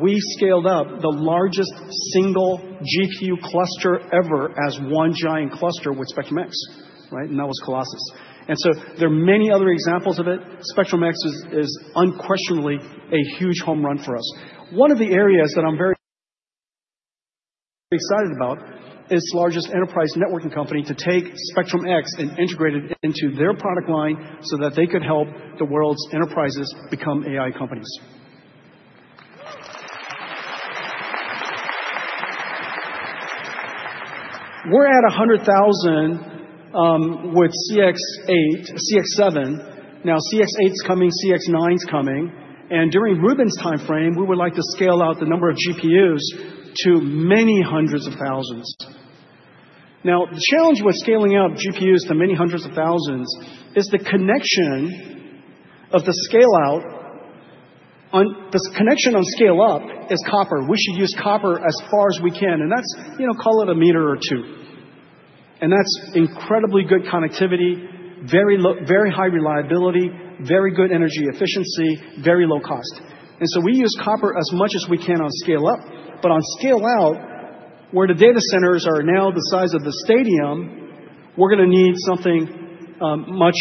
We scaled up the largest single GPU cluster ever as one giant cluster with Spectrum-X, right? That was Colossus. There are many other examples of it. Spectrum-X is unquestionably a huge home run for us. One of the areas that I'm very excited about is the largest enterprise networking company to take Spectrum-X and integrate it into their product line so that they could help the world's enterprises become AI companies. We're at 100,000 with CX8, CX7. Now CX8's coming, CX9's coming. During Rubin's timeframe, we would like to scale out the number of GPUs to many hundreds of thousands. Now, the challenge with scaling out GPUs to many hundreds of thousands is the connection of the scale-out. The connection on scale-up is copper. We should use copper as far as we can. That's, you know, call it a meter or two. That's incredibly good connectivity, very high reliability, very good energy efficiency, very low cost. We use copper as much as we can on scale-up, but on scale-out, where the data centers are now the size of the stadium, we're going to need something much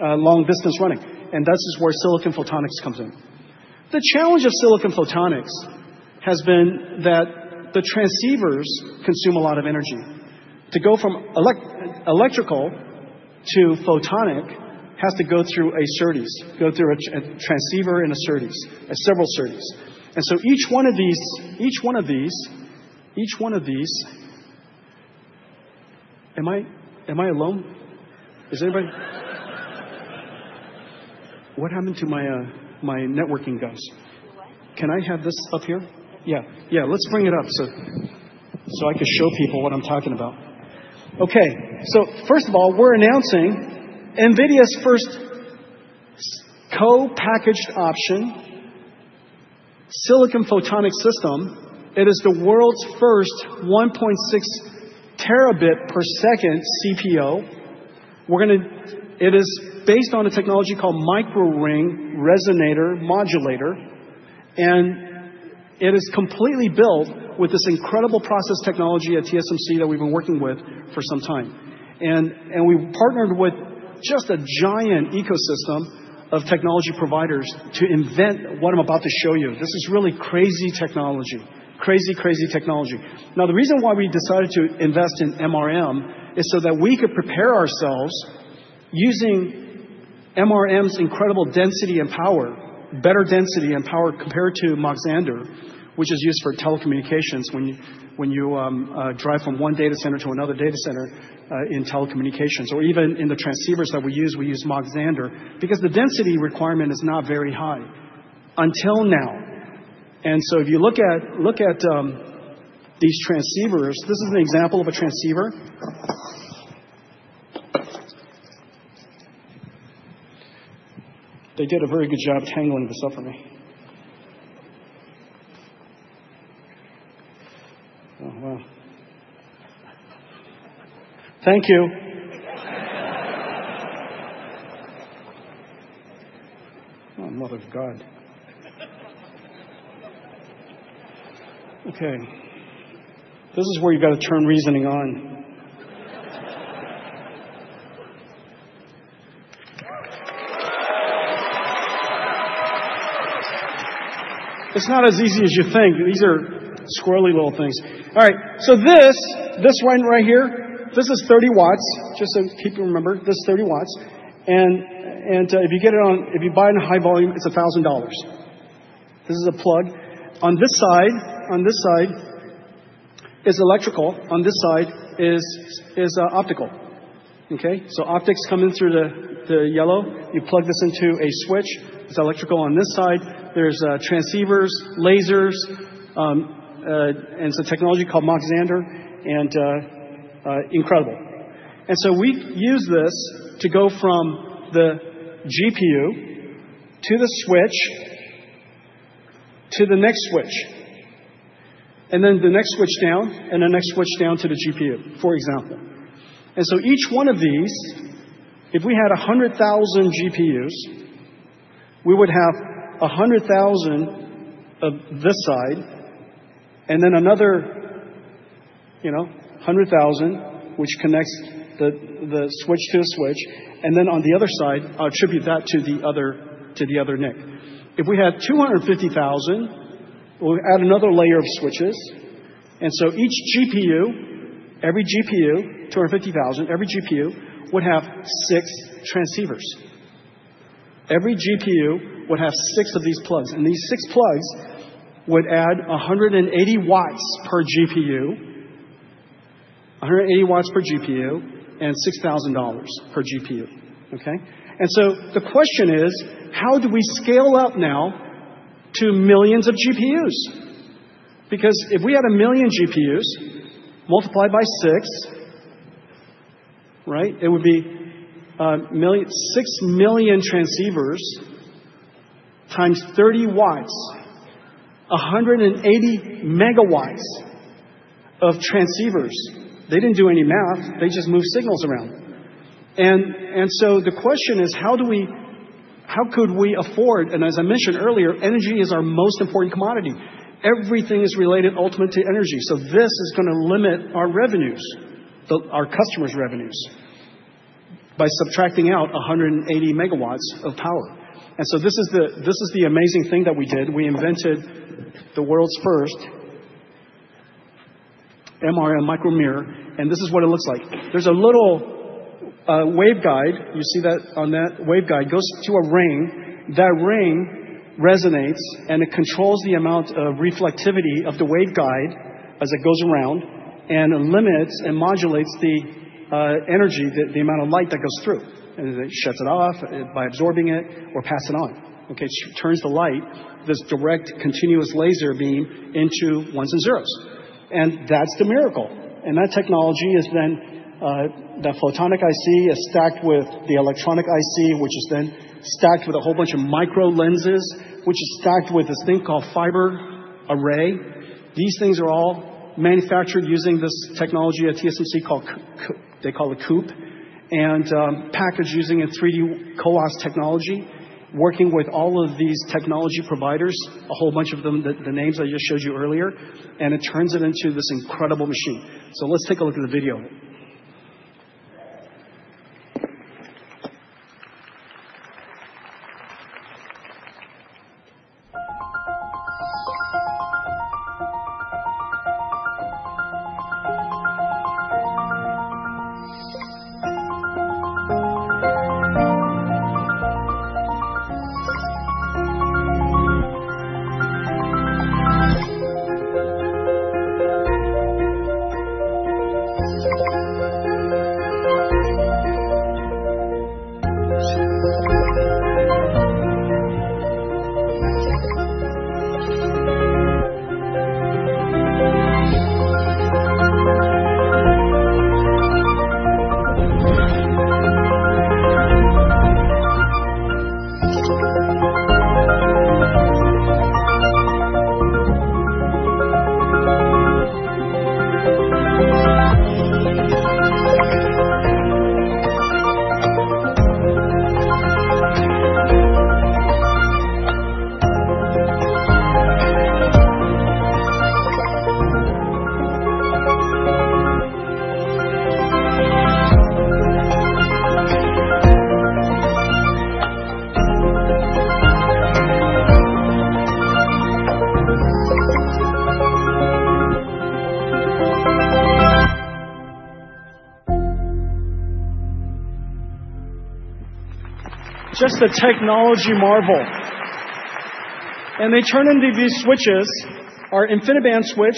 long distance running. That's just where silicon photonics comes in. The challenge of silicon photonics has been that the transceivers consume a lot of energy. To go from electrical to photonic has to go through a SerDes, go through a transceiver and a SerDes, several SerDes. Each one of these, each one of these, am I alone? Is everybody? What happened to my networking guys? Can I have this up here? Yeah. Let's bring it up so I can show people what I'm talking about. Okay. First of all, we're announcing NVIDIA's first co-packaged option, silicon photonic system. It is the world's first 1.6 Tb per second CPO. We're going to, it is based on a technology called MicroRing Resonator Modulator. It is completely built with this incredible process technology at TSMC that we've been working with for some time. We partnered with just a giant ecosystem of technology providers to invent what I'm about to show you. This is really crazy technology, crazy, crazy technology. The reason why we decided to invest in MRM is so that we could prepare ourselves using MRM's incredible density and power, better density and power compared to Moxander, which is used for telecommunications when you drive from one data center to another data center in telecommunications. Or even in the transceivers that we use, we use Moxander because the density requirement is not very high until now. If you look at these transceivers, this is an example of a transceiver. They did a very good job tangling this up for me. Oh, wow. Thank you. Oh, mother of God. Okay. This is where you've got to turn reasoning on. It's not as easy as you think. These are squirrely little things. All right. This one right here, this is 30 watts. Just so people remember, this is 30 W. And if you get it on, if you buy it in high volume, it's $1,000. This is a plug. On this side, on this side, it's electrical. On this side is optical. Okay. Optics coming through the yellow. You plug this into a switch. It's electrical on this side. There are transceivers, lasers, and some technology called Moxander. And incredible. We use this to go from the GPU to the switch to the next switch, and then the next switch down, and the next switch down to the GPU, for example. Each one of these, if we had 100,000 GPUs, we would have 100,000 of this side, and then another, you know, 100,000, which connects the switch to a switch. On the other side, I'll attribute that to the other NIC. If we had 250,000, we'll add another layer of switches. Each GPU, every GPU, 250,000, every GPU would have six transceivers. Every GPU would have six of these plugs. These six plugs would add 180 W per GPU, 180 W per GPU, and $6,000 per GPU. Okay. The question is, how do we scale up now to millions of GPUs? Because if we had a million GPUs multiplied by six, right, it would be 6 million transceivers times 30 W, 180 MW of transceivers. They did not do any math. They just moved signals around. The question is, how do we, how could we afford, and as I mentioned earlier, energy is our most important commodity. Everything is related ultimately to energy. This is going to limit our revenues, our customers' revenues, by subtracting out 180 MW of power. This is the amazing thing that we did. We invented the world's first MRM micromirror. This is what it looks like. There is a little wave guide. You see that on that wave guide goes to a ring. That ring resonates, and it controls the amount of reflectivity of the waveguide as it goes around and limits and modulates the energy, the amount of light that goes through. It shuts it off by absorbing it or passing on. Okay. It turns the light, this direct continuous laser beam into ones and zeros. That is the miracle. That technology is then that photonic IC is stacked with the electronic IC, which is then stacked with a whole bunch of microlenses, which is stacked with this thing called fiber array. These things are all manufactured using this technology at TSMC called, they call it COOP, and packaged using a 3D CoAuth technology, working with all of these technology providers, a whole bunch of them, the names I just showed you earlier. It turns it into this incredible machine. Let's take a look at the video. Just a technology marvel. And they turn into these switches. Our InfiniBand switch,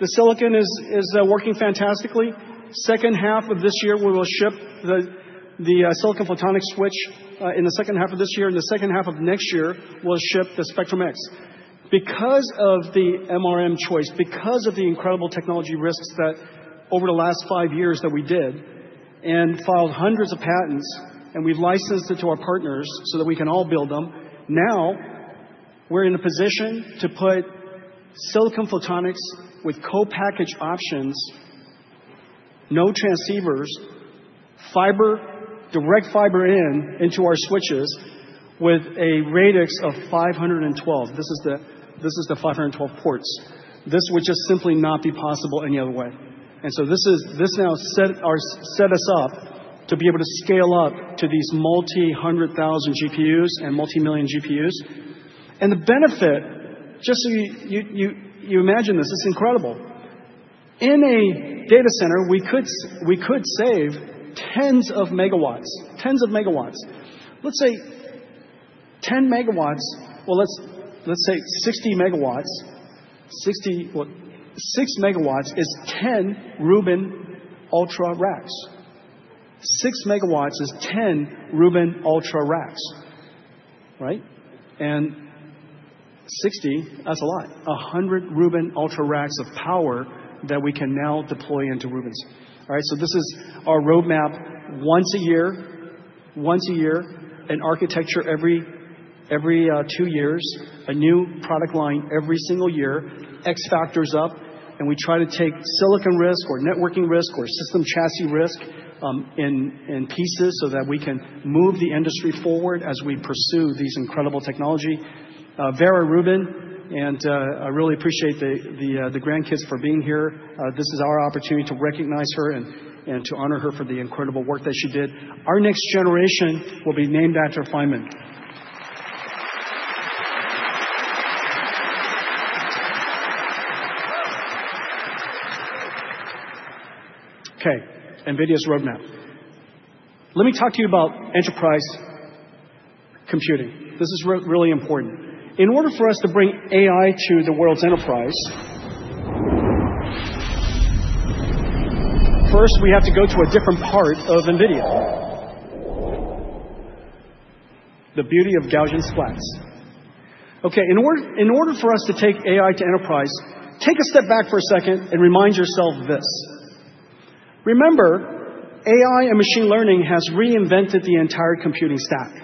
the silicon is working fantastically. Second half of this year, we will ship the silicon photonic switch in the second half of this year. In the second half of next year, we'll ship the Spectrum-X. Because of the MRM choice, because of the incredible technology risks that over the last five years that we did and filed hundreds of patents, and we've licensed it to our partners so that we can all build them, now we're in a position to put silicon photonics with co-packaged options, no transceivers, fiber, direct fiber in into our switches with a radix of 512. This is the 512 ports. This would just simply not be possible any other way. This now set us up to be able to scale up to these multi-hundred thousand GPUs and multi-million GPUs. The benefit, just so you imagine this, it's incredible. In a data center, we could save tens of megawatts, tens of megawatts. Let's say 10 MW, let's say 60 MW, 60, 6 MW is 10 Rubin Ultra racks. 6 megawatts is 10 Rubin Ultra racks, right? And 60, that's a lot. 100 Rubin Ultra racks of power that we can now deploy into Rubins. All right. This is our roadmap once a year, once a year, an architecture every two years, a new product line every single year, X factors up. We try to take silicon risk or networking risk or system chassis risk in pieces so that we can move the industry forward as we pursue this incredible technology. Vera Rubin, and I really appreciate the grandkids for being here. This is our opportunity to recognize her and to honor her for the incredible work that she did. Our next generation will be named after Feynman. Okay. NVIDIA's roadmap. Let me talk to you about enterprise computing. This is really important. In order for us to bring AI to the world's enterprise, first we have to go to a different part of NVIDIA, the beauty of Gaussian splats. Okay. In order for us to take AI to enterprise, take a step back for a second and remind yourself this. Remember, AI and machine learning has reinvented the entire computing stack.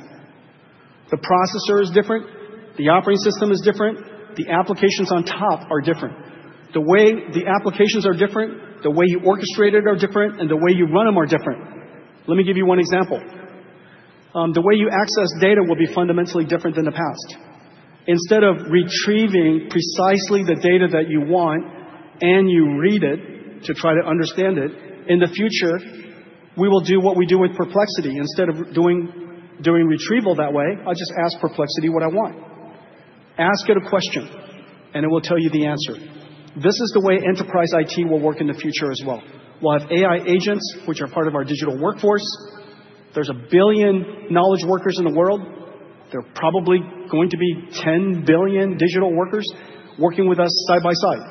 The processor is different. The operating system is different. The applications on top are different. The way the applications are different, the way you orchestrate it are different, and the way you run them are different. Let me give you one example. The way you access data will be fundamentally different than the past. Instead of retrieving precisely the data that you want and you read it to try to understand it, in the future, we will do what we do with Perplexity. Instead of doing retrieval that way, I'll just ask Perplexity what I want. Ask it a question, and it will tell you the answer. This is the way enterprise IT will work in the future as well. We'll have AI agents, which are part of our digital workforce. There's a billion knowledge workers in the world. There are probably going to be 10 billion digital workers working with us side by side.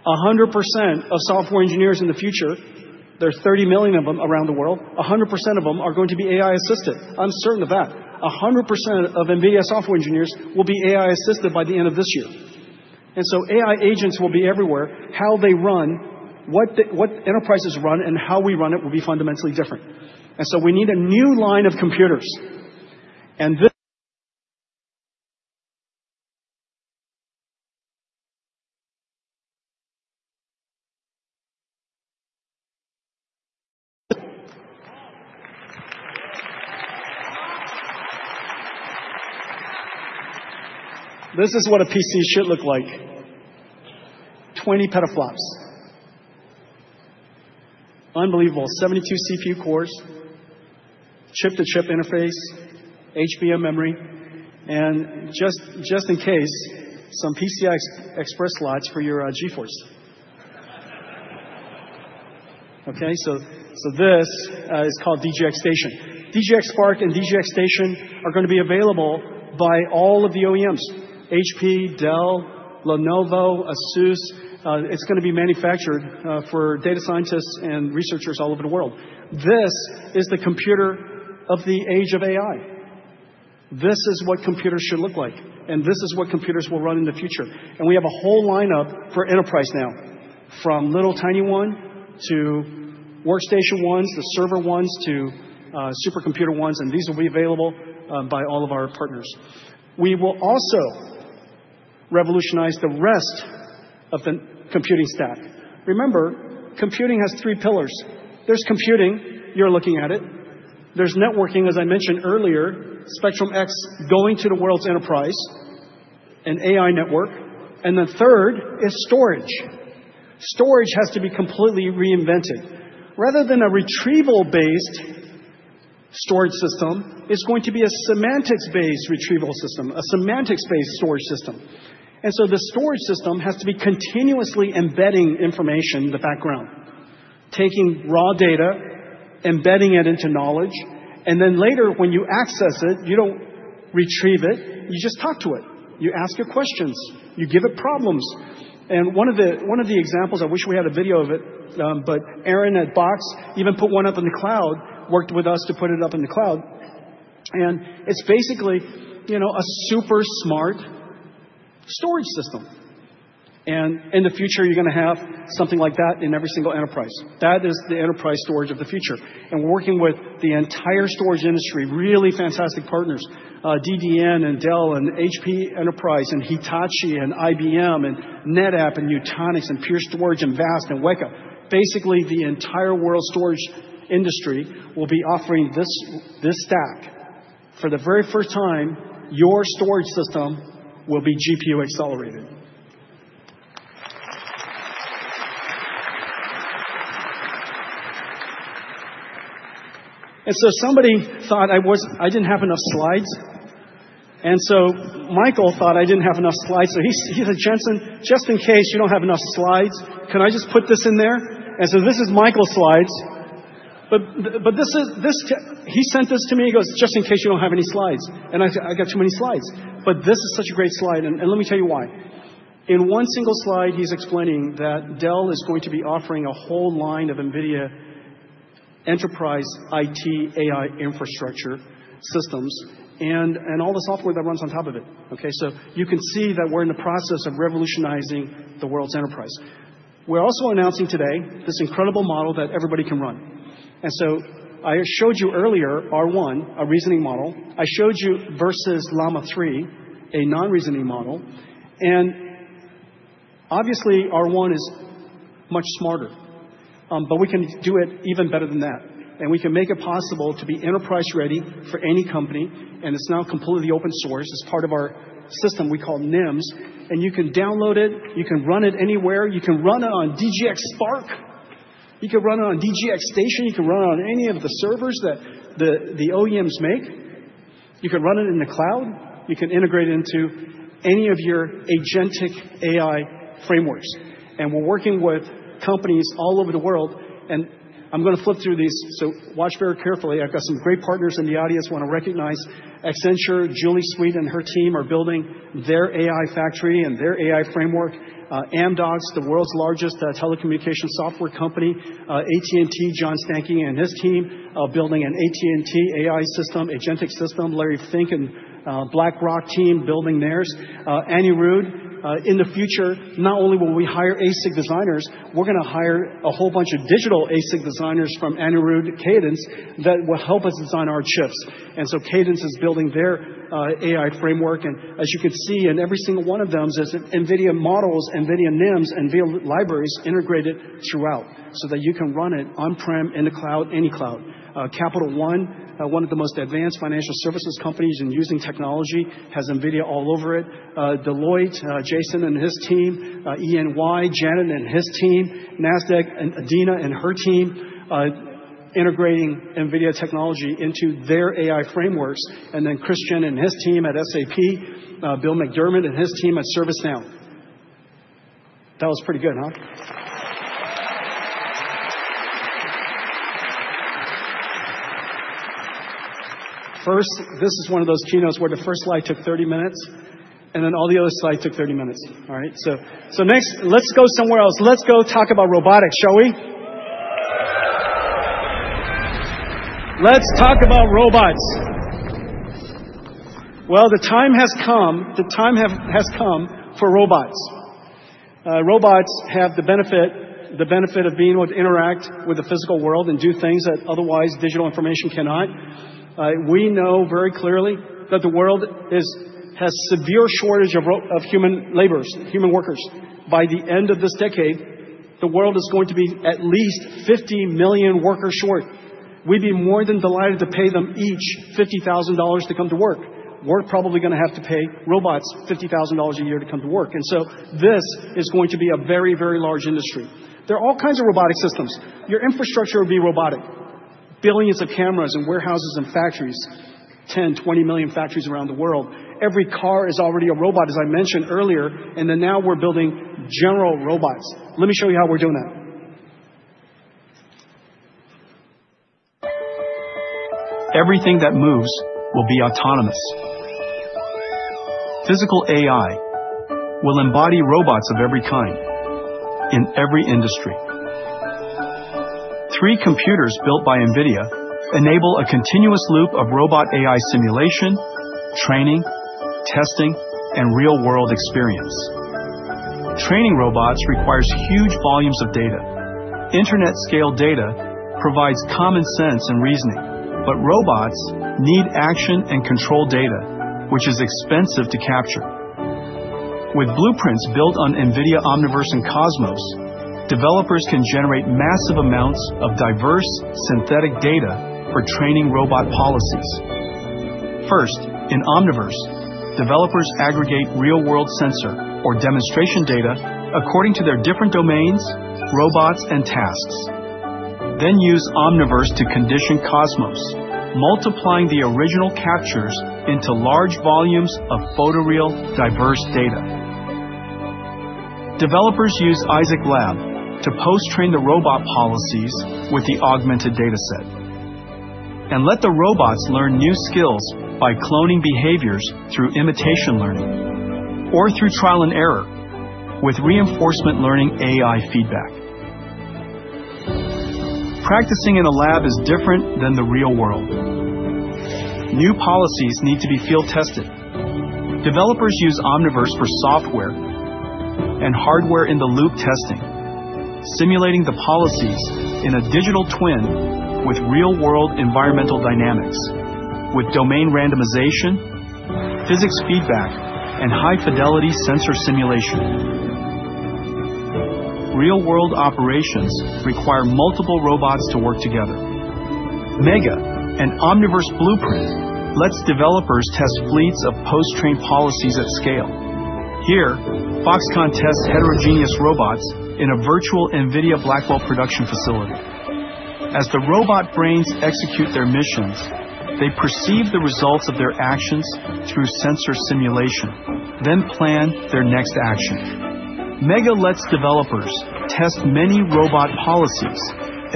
100% of software engineers in the future, there are 30 million of them around the world, 100% of them are going to be AI assisted. I'm certain of that. 100% of NVIDIA software engineers will be AI assisted by the end of this year. AI agents will be everywhere. How they run, what enterprises run and how we run it will be fundamentally different. We need a new line of computers. This is what a PC should look like. 20 petaflops. Unbelievable. 72 CPU cores, chip-to-chip interface, HBM memory. Just in case, some PCI Express slots for your GeForce. This is called DGX Station. DGX Spark and DGX Station are going to be available by all of the OEMs: HP, Dell, Lenovo, ASUS. It is going to be manufactured for data scientists and researchers all over the world. This is the computer of the age of AI. This is what computers should look like. This is what computers will run in the future. We have a whole lineup for enterprise now, from little tiny one to workstation ones, the server ones to supercomputer ones. These will be available by all of our partners. We will also revolutionize the rest of the computing stack. Remember, computing has three pillars. There is computing, you are looking at it. There is networking, as I mentioned earlier, Spectrum-X going to the world's enterprise, an AI network. The third is storage. Storage has to be completely reinvented. Rather than a retrieval-based storage system, it is going to be a semantics-based retrieval system, a semantics-based storage system. The storage system has to be continuously embedding information in the background, taking raw data, embedding it into knowledge. Later, when you access it, you do not retrieve it. You just talk to it. You ask it questions. You give it problems. One of the examples, I wish we had a video of it, but Aaron at Box even put one up in the cloud, worked with us to put it up in the cloud. It's basically a super smart storage system. In the future, you're going to have something like that in every single enterprise. That is the enterprise storage of the future. We're working with the entire storage industry, really fantastic partners, DDN and Dell and HPE and Hitachi and IBM and NetApp and Weka and Pure Storage and Vast. Basically, the entire world storage industry will be offering this stack. For the very first time, your storage system will be GPU accelerated. Somebody thought I didn't have enough slides. Michael thought I didn't have enough slides. He said, "Jensen, just in case you don't have enough slides, can I just put this in there?" This is Michael's slides. He sent this to me. He goes, "Just in case you don't have any slides." I said, "I got too many slides." This is such a great slide. Let me tell you why. In one single slide, he's explaining that Dell is going to be offering a whole line of NVIDIA enterprise IT AI infrastructure systems and all the software that runs on top of it. You can see that we're in the process of revolutionizing the world's enterprise. We're also announcing today this incredible model that everybody can run. I showed you earlier R1, a reasoning model. I showed you versus Llama 3, a non-reasoning model. Obviously, R1 is much smarter, but we can do it even better than that. We can make it possible to be enterprise-ready for any company. It is now completely open source. It is part of our system we call NIMs. You can download it. You can run it anywhere. You can run it on DGX Spark. You can run it on DGX Station. You can run it on any of the servers that the OEMs make. You can run it in the cloud. You can integrate it into any of your agentic AI frameworks. We are working with companies all over the world. I am going to flip through these. Watch very carefully. I have got some great partners in the audience I want to recognize. Accenture, Julie Sweet, and her team are building their AI factory and their AI framework. Amdocs, the world's largest telecommunication software company. AT&T, John Stankey and his team are building an AT&T AI system, agentic system. Larry Fink and BlackRock team building theirs. AnyRoot, in the future, not only will we hire ASIC designers, we're going to hire a whole bunch of digital ASIC designers from AnyRoot, Cadence, that will help us design our chips. Cadence is building their AI framework. As you can see in every single one of them, there's NVIDIA models, NVIDIA NIMs, and VL libraries integrated throughout so that you can run it on-prem, in the cloud, any cloud. Capital One, one of the most advanced financial services companies and using technology, has NVIDIA all over it. Deloitte, Jason and his team, ENY, Janet and his team, Nasdaq, Adina and her team integrating NVIDIA technology into their AI frameworks. Christian and his team at SAP, Bill McDermott and his team at ServiceNow. That was pretty good, huh? First, this is one of those keynotes where the first slide took 30 minutes, and then all the other slides took 30 minutes. All right. Next, let's go somewhere else. Let's go talk about robotics, shall we? Let's talk about robots. The time has come. The time has come for robots. Robots have the benefit of being able to interact with the physical world and do things that otherwise digital information cannot. We know very clearly that the world has a severe shortage of human laborers, human workers. By the end of this decade, the world is going to be at least 50 million workers short. We'd be more than delighted to pay them each $50,000 to come to work. We're probably going to have to pay robots $50,000 a year to come to work. This is going to be a very, very large industry. There are all kinds of robotic systems. Your infrastructure will be robotic. Billions of cameras in warehouses and factories, 10million-20 million factories around the world. Every car is already a robot, as I mentioned earlier. Now we're building general robots. Let me show you how we're doing that. Everything that moves will be autonomous. Physical AI will embody robots of every kind in every industry. Three computers built by NVIDIA enable a continuous loop of robot AI simulation, training, testing, and real-world experience. Training robots requires huge volumes of data. Internet-scale data provides common sense and reasoning, but robots need action and control data, which is expensive to capture. With blueprints built on NVIDIA Omniverse and Cosmos, developers can generate massive amounts of diverse synthetic data for training robot policies. First, in Omniverse, developers aggregate real-world sensor or demonstration data according to their different domains, robots, and tasks. Then use Omniverse to condition Cosmos, multiplying the original captures into large volumes of photoreal diverse data. Developers use Isaac Lab to post-train the robot policies with the augmented dataset and let the robots learn new skills by cloning behaviors through imitation learning or through trial and error with reinforcement learning AI feedback. Practicing in a lab is different than the real world. New policies need to be field tested. Developers use Omniverse for software and hardware-in-the-loop testing, simulating the policies in a digital twin with real-world environmental dynamics, with domain randomization, physics feedback, and high-fidelity sensor simulation. Real-world operations require multiple robots to work together. Mega, an Omniverse blueprint, lets developers test fleets of post-trained policies at scale. Here, Foxconn tests heterogeneous robots in a virtual NVIDIA Blackwell production facility. As the robot brains execute their missions, they perceive the results of their actions through sensor simulation, then plan their next action. Mega lets developers test many robot policies,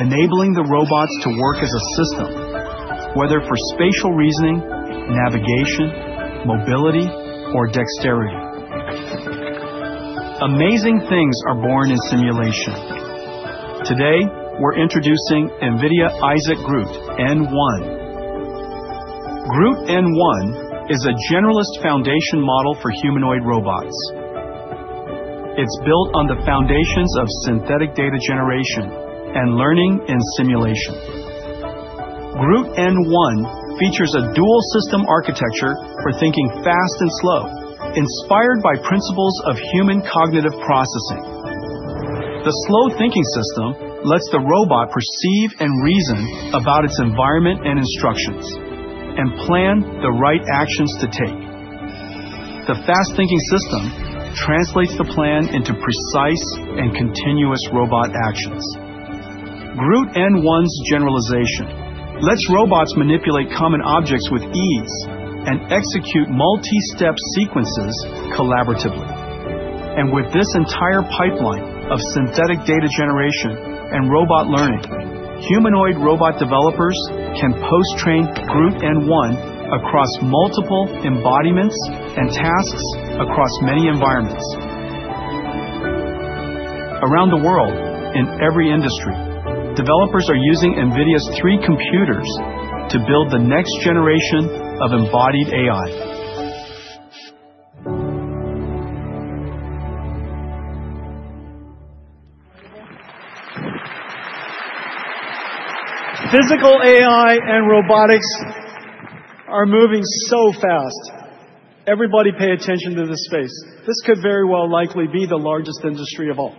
enabling the robots to work as a system, whether for spatial reasoning, navigation, mobility, or dexterity. Amazing things are born in simulation. Today, we're introducing NVIDIA Isaac Groot N1. Groot N1 is a generalist foundation model for humanoid robots. It's built on the foundations of synthetic data generation and learning in simulation. Groot N1 features a dual system architecture for thinking fast and slow, inspired by principles of human cognitive processing. The slow thinking system lets the robot perceive and reason about its environment and instructions and plan the right actions to take. The fast thinking system translates the plan into precise and continuous robot actions. Groot N1's generalization lets robots manipulate common objects with ease and execute multi-step sequences collaboratively. With this entire pipeline of synthetic data generation and robot learning, humanoid robot developers can post-train Groot N1 across multiple embodiments and tasks across many environments. Around the world, in every industry, developers are using NVIDIA's three computers to build the next generation of embodied AI. Physical AI and robotics are moving so fast. Everybody pay attention to this space. This could very well likely be the largest industry of all.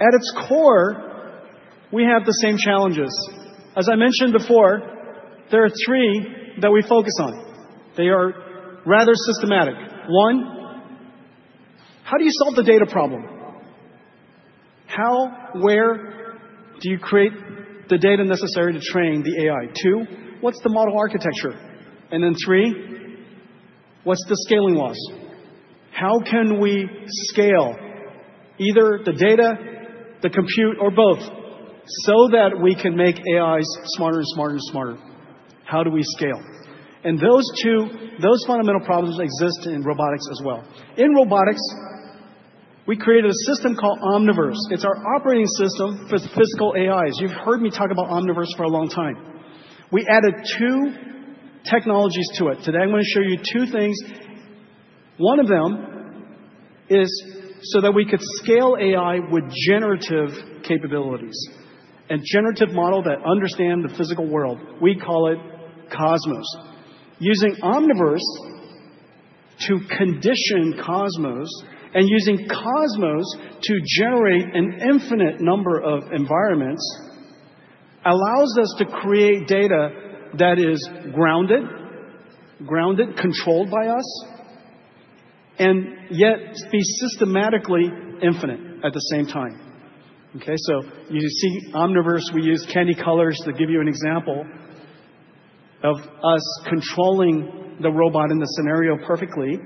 At its core, we have the same challenges. As I mentioned before, there are three that we focus on. They are rather systematic. One, how do you solve the data problem? How, where do you create the data necessary to train the AI? Two, what's the model architecture? And then three, what's the scaling law? How can we scale either the data, the compute, or both so that we can make AIs smarter and smarter and smarter? How do we scale? Those two, those fundamental problems exist in robotics as well. In robotics, we created a system called Omniverse. It's our operating system for physical AIs. You've heard me talk about Omniverse for a long time. We added two technologies to it. Today, I'm going to show you two things. One of them is so that we could scale AI with generative capabilities and generative models that understand the physical world. We call it Cosmos. Using Omniverse to condition Cosmos and using Cosmos to generate an infinite number of environments allows us to create data that is grounded, grounded, controlled by us, and yet be systematically infinite at the same time. You see Omniverse, we use candy colors to give you an example of us controlling the robot in the scenario perfectly.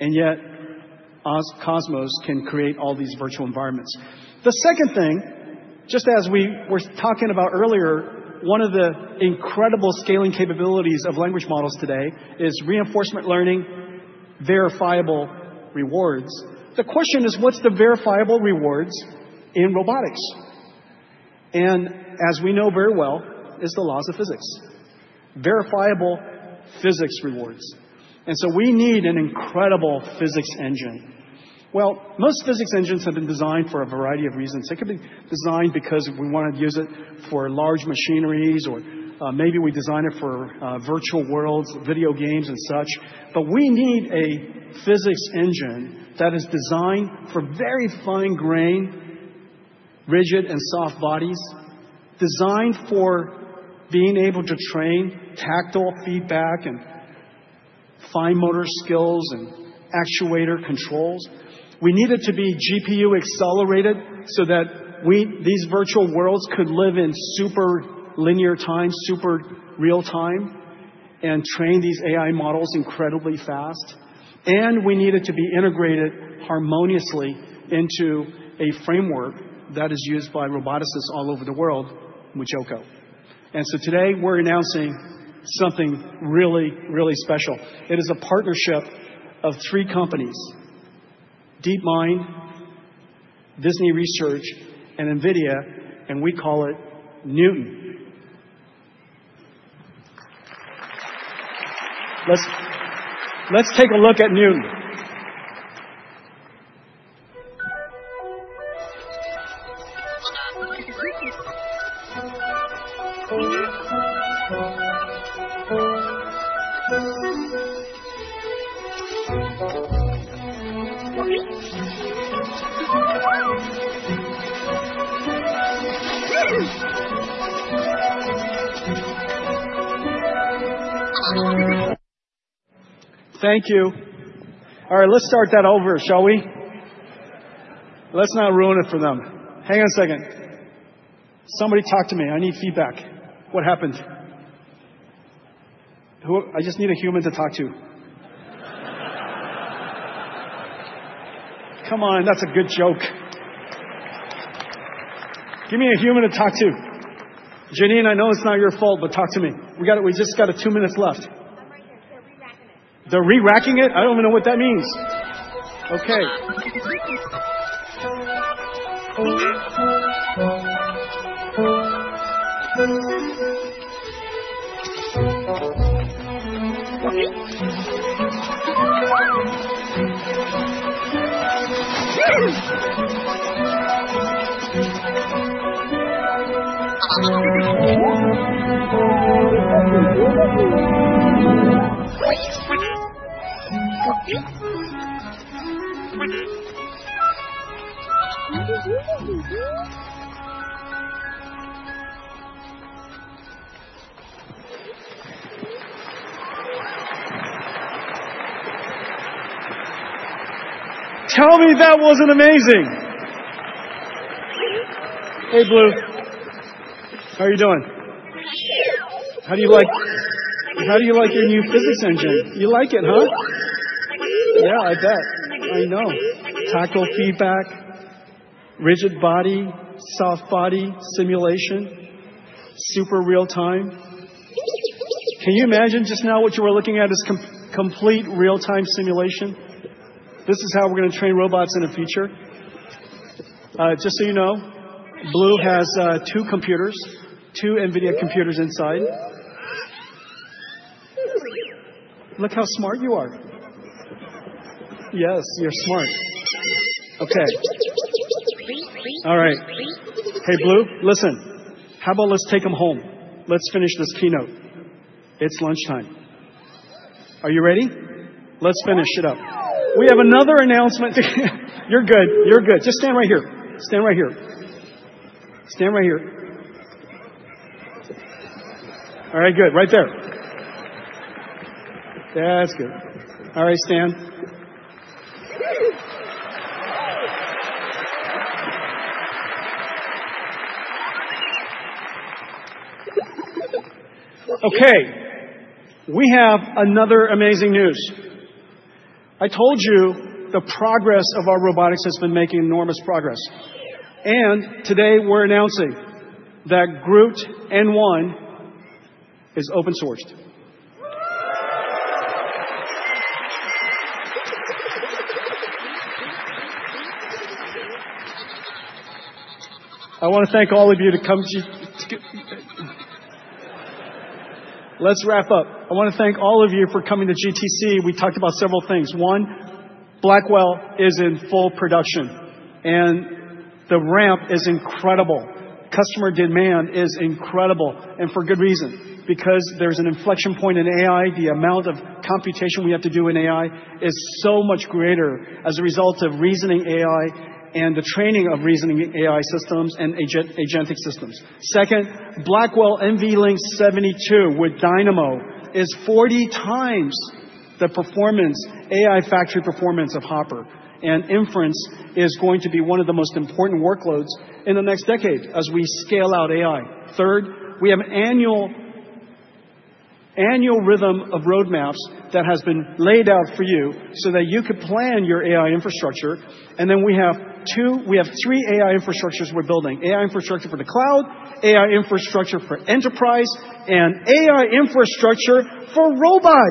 Yet Cosmos can create all these virtual environments. The second thing, just as we were talking about earlier, one of the incredible scaling capabilities of language models today is reinforcement learning, verifiable rewards. The question is, what's the verifiable rewards in robotics? As we know very well, it's the laws of physics, verifiable physics rewards. We need an incredible physics engine. Most physics engines have been designed for a variety of reasons. It could be designed because we want to use it for large machineries, or maybe we design it for virtual worlds, video games, and such. We need a physics engine that is designed for very fine-grained, rigid, and soft bodies, designed for being able to train tactile feedback and fine motor skills and actuator controls. We need it to be GPU accelerated so that these virtual worlds could live in super linear time, super real time, and train these AI models incredibly fast. We need it to be integrated harmoniously into a framework that is used by roboticists all over the world, Mujoko. Today, we're announcing something really, really special. It is a partnership of three companies: DeepMind, Disney Research, and NVIDIA, and we call it Newton. Let's take a look at Newton. Thank you. All right, let's start that over, shall we? Let's not ruin it for them. Hang on a second. Somebody talk to me. I need feedback. What happened? I just need a human to talk to. Come on. That's a good joke. Give me a human to talk to. Janine, I know it's not your fault, but talk to me. We just got two minutes left. I'm right here. They're re-racking it. They're re-racking it? I don't even know what that means. Okay. Tell me that wasn't amazing. Hey, Blue. How are you doing? How do you like your new physics engine? You like it, huh? Yeah, I bet. I know. Tactile feedback, rigid body, soft body, simulation, super real time. Can you imagine just now what you were looking at is complete real-time simulation? This is how we're going to train robots in the future. Just so you know, Blue has two computers, two NVIDIA computers inside. Look how smart you are. Yes, you're smart. Okay. All right. Hey, Blue, listen. How about let's take them home. Let's finish this keynote. It's lunchtime. Are you ready? Let's finish it up. We have another announcement. You're good. You're good. Just stand right here. Stand right here. Stand right here. All right, good. Right there. That's good. All right, stand. Okay. We have another amazing news. I told you the progress of our robotics has been making enormous progress. Today, we're announcing that Groot N1 is open-sourced. I want to thank all of you to come to let's wrap up. I want to thank all of you for coming to GTC. We talked about several things. One, Blackwell is in full production, and the ramp is incredible. Customer demand is incredible, and for good reason, because there's an inflection point in AI. The amount of computation we have to do in AI is so much greater as a result of reasoning AI and the training of reasoning AI systems and agentic systems. Second, Blackwell NVLink 72 with Dynamo is 40x the performance, AI factory performance of Hopper, and inference is going to be one of the most important workloads in the next decade as we scale out AI. Third, we have an annual rhythm of roadmaps that has been laid out for you so that you could plan your AI infrastructure. We have three AI infrastructures we're building: AI infrastructure for the cloud, AI infrastructure for enterprise, and AI infrastructure for robots.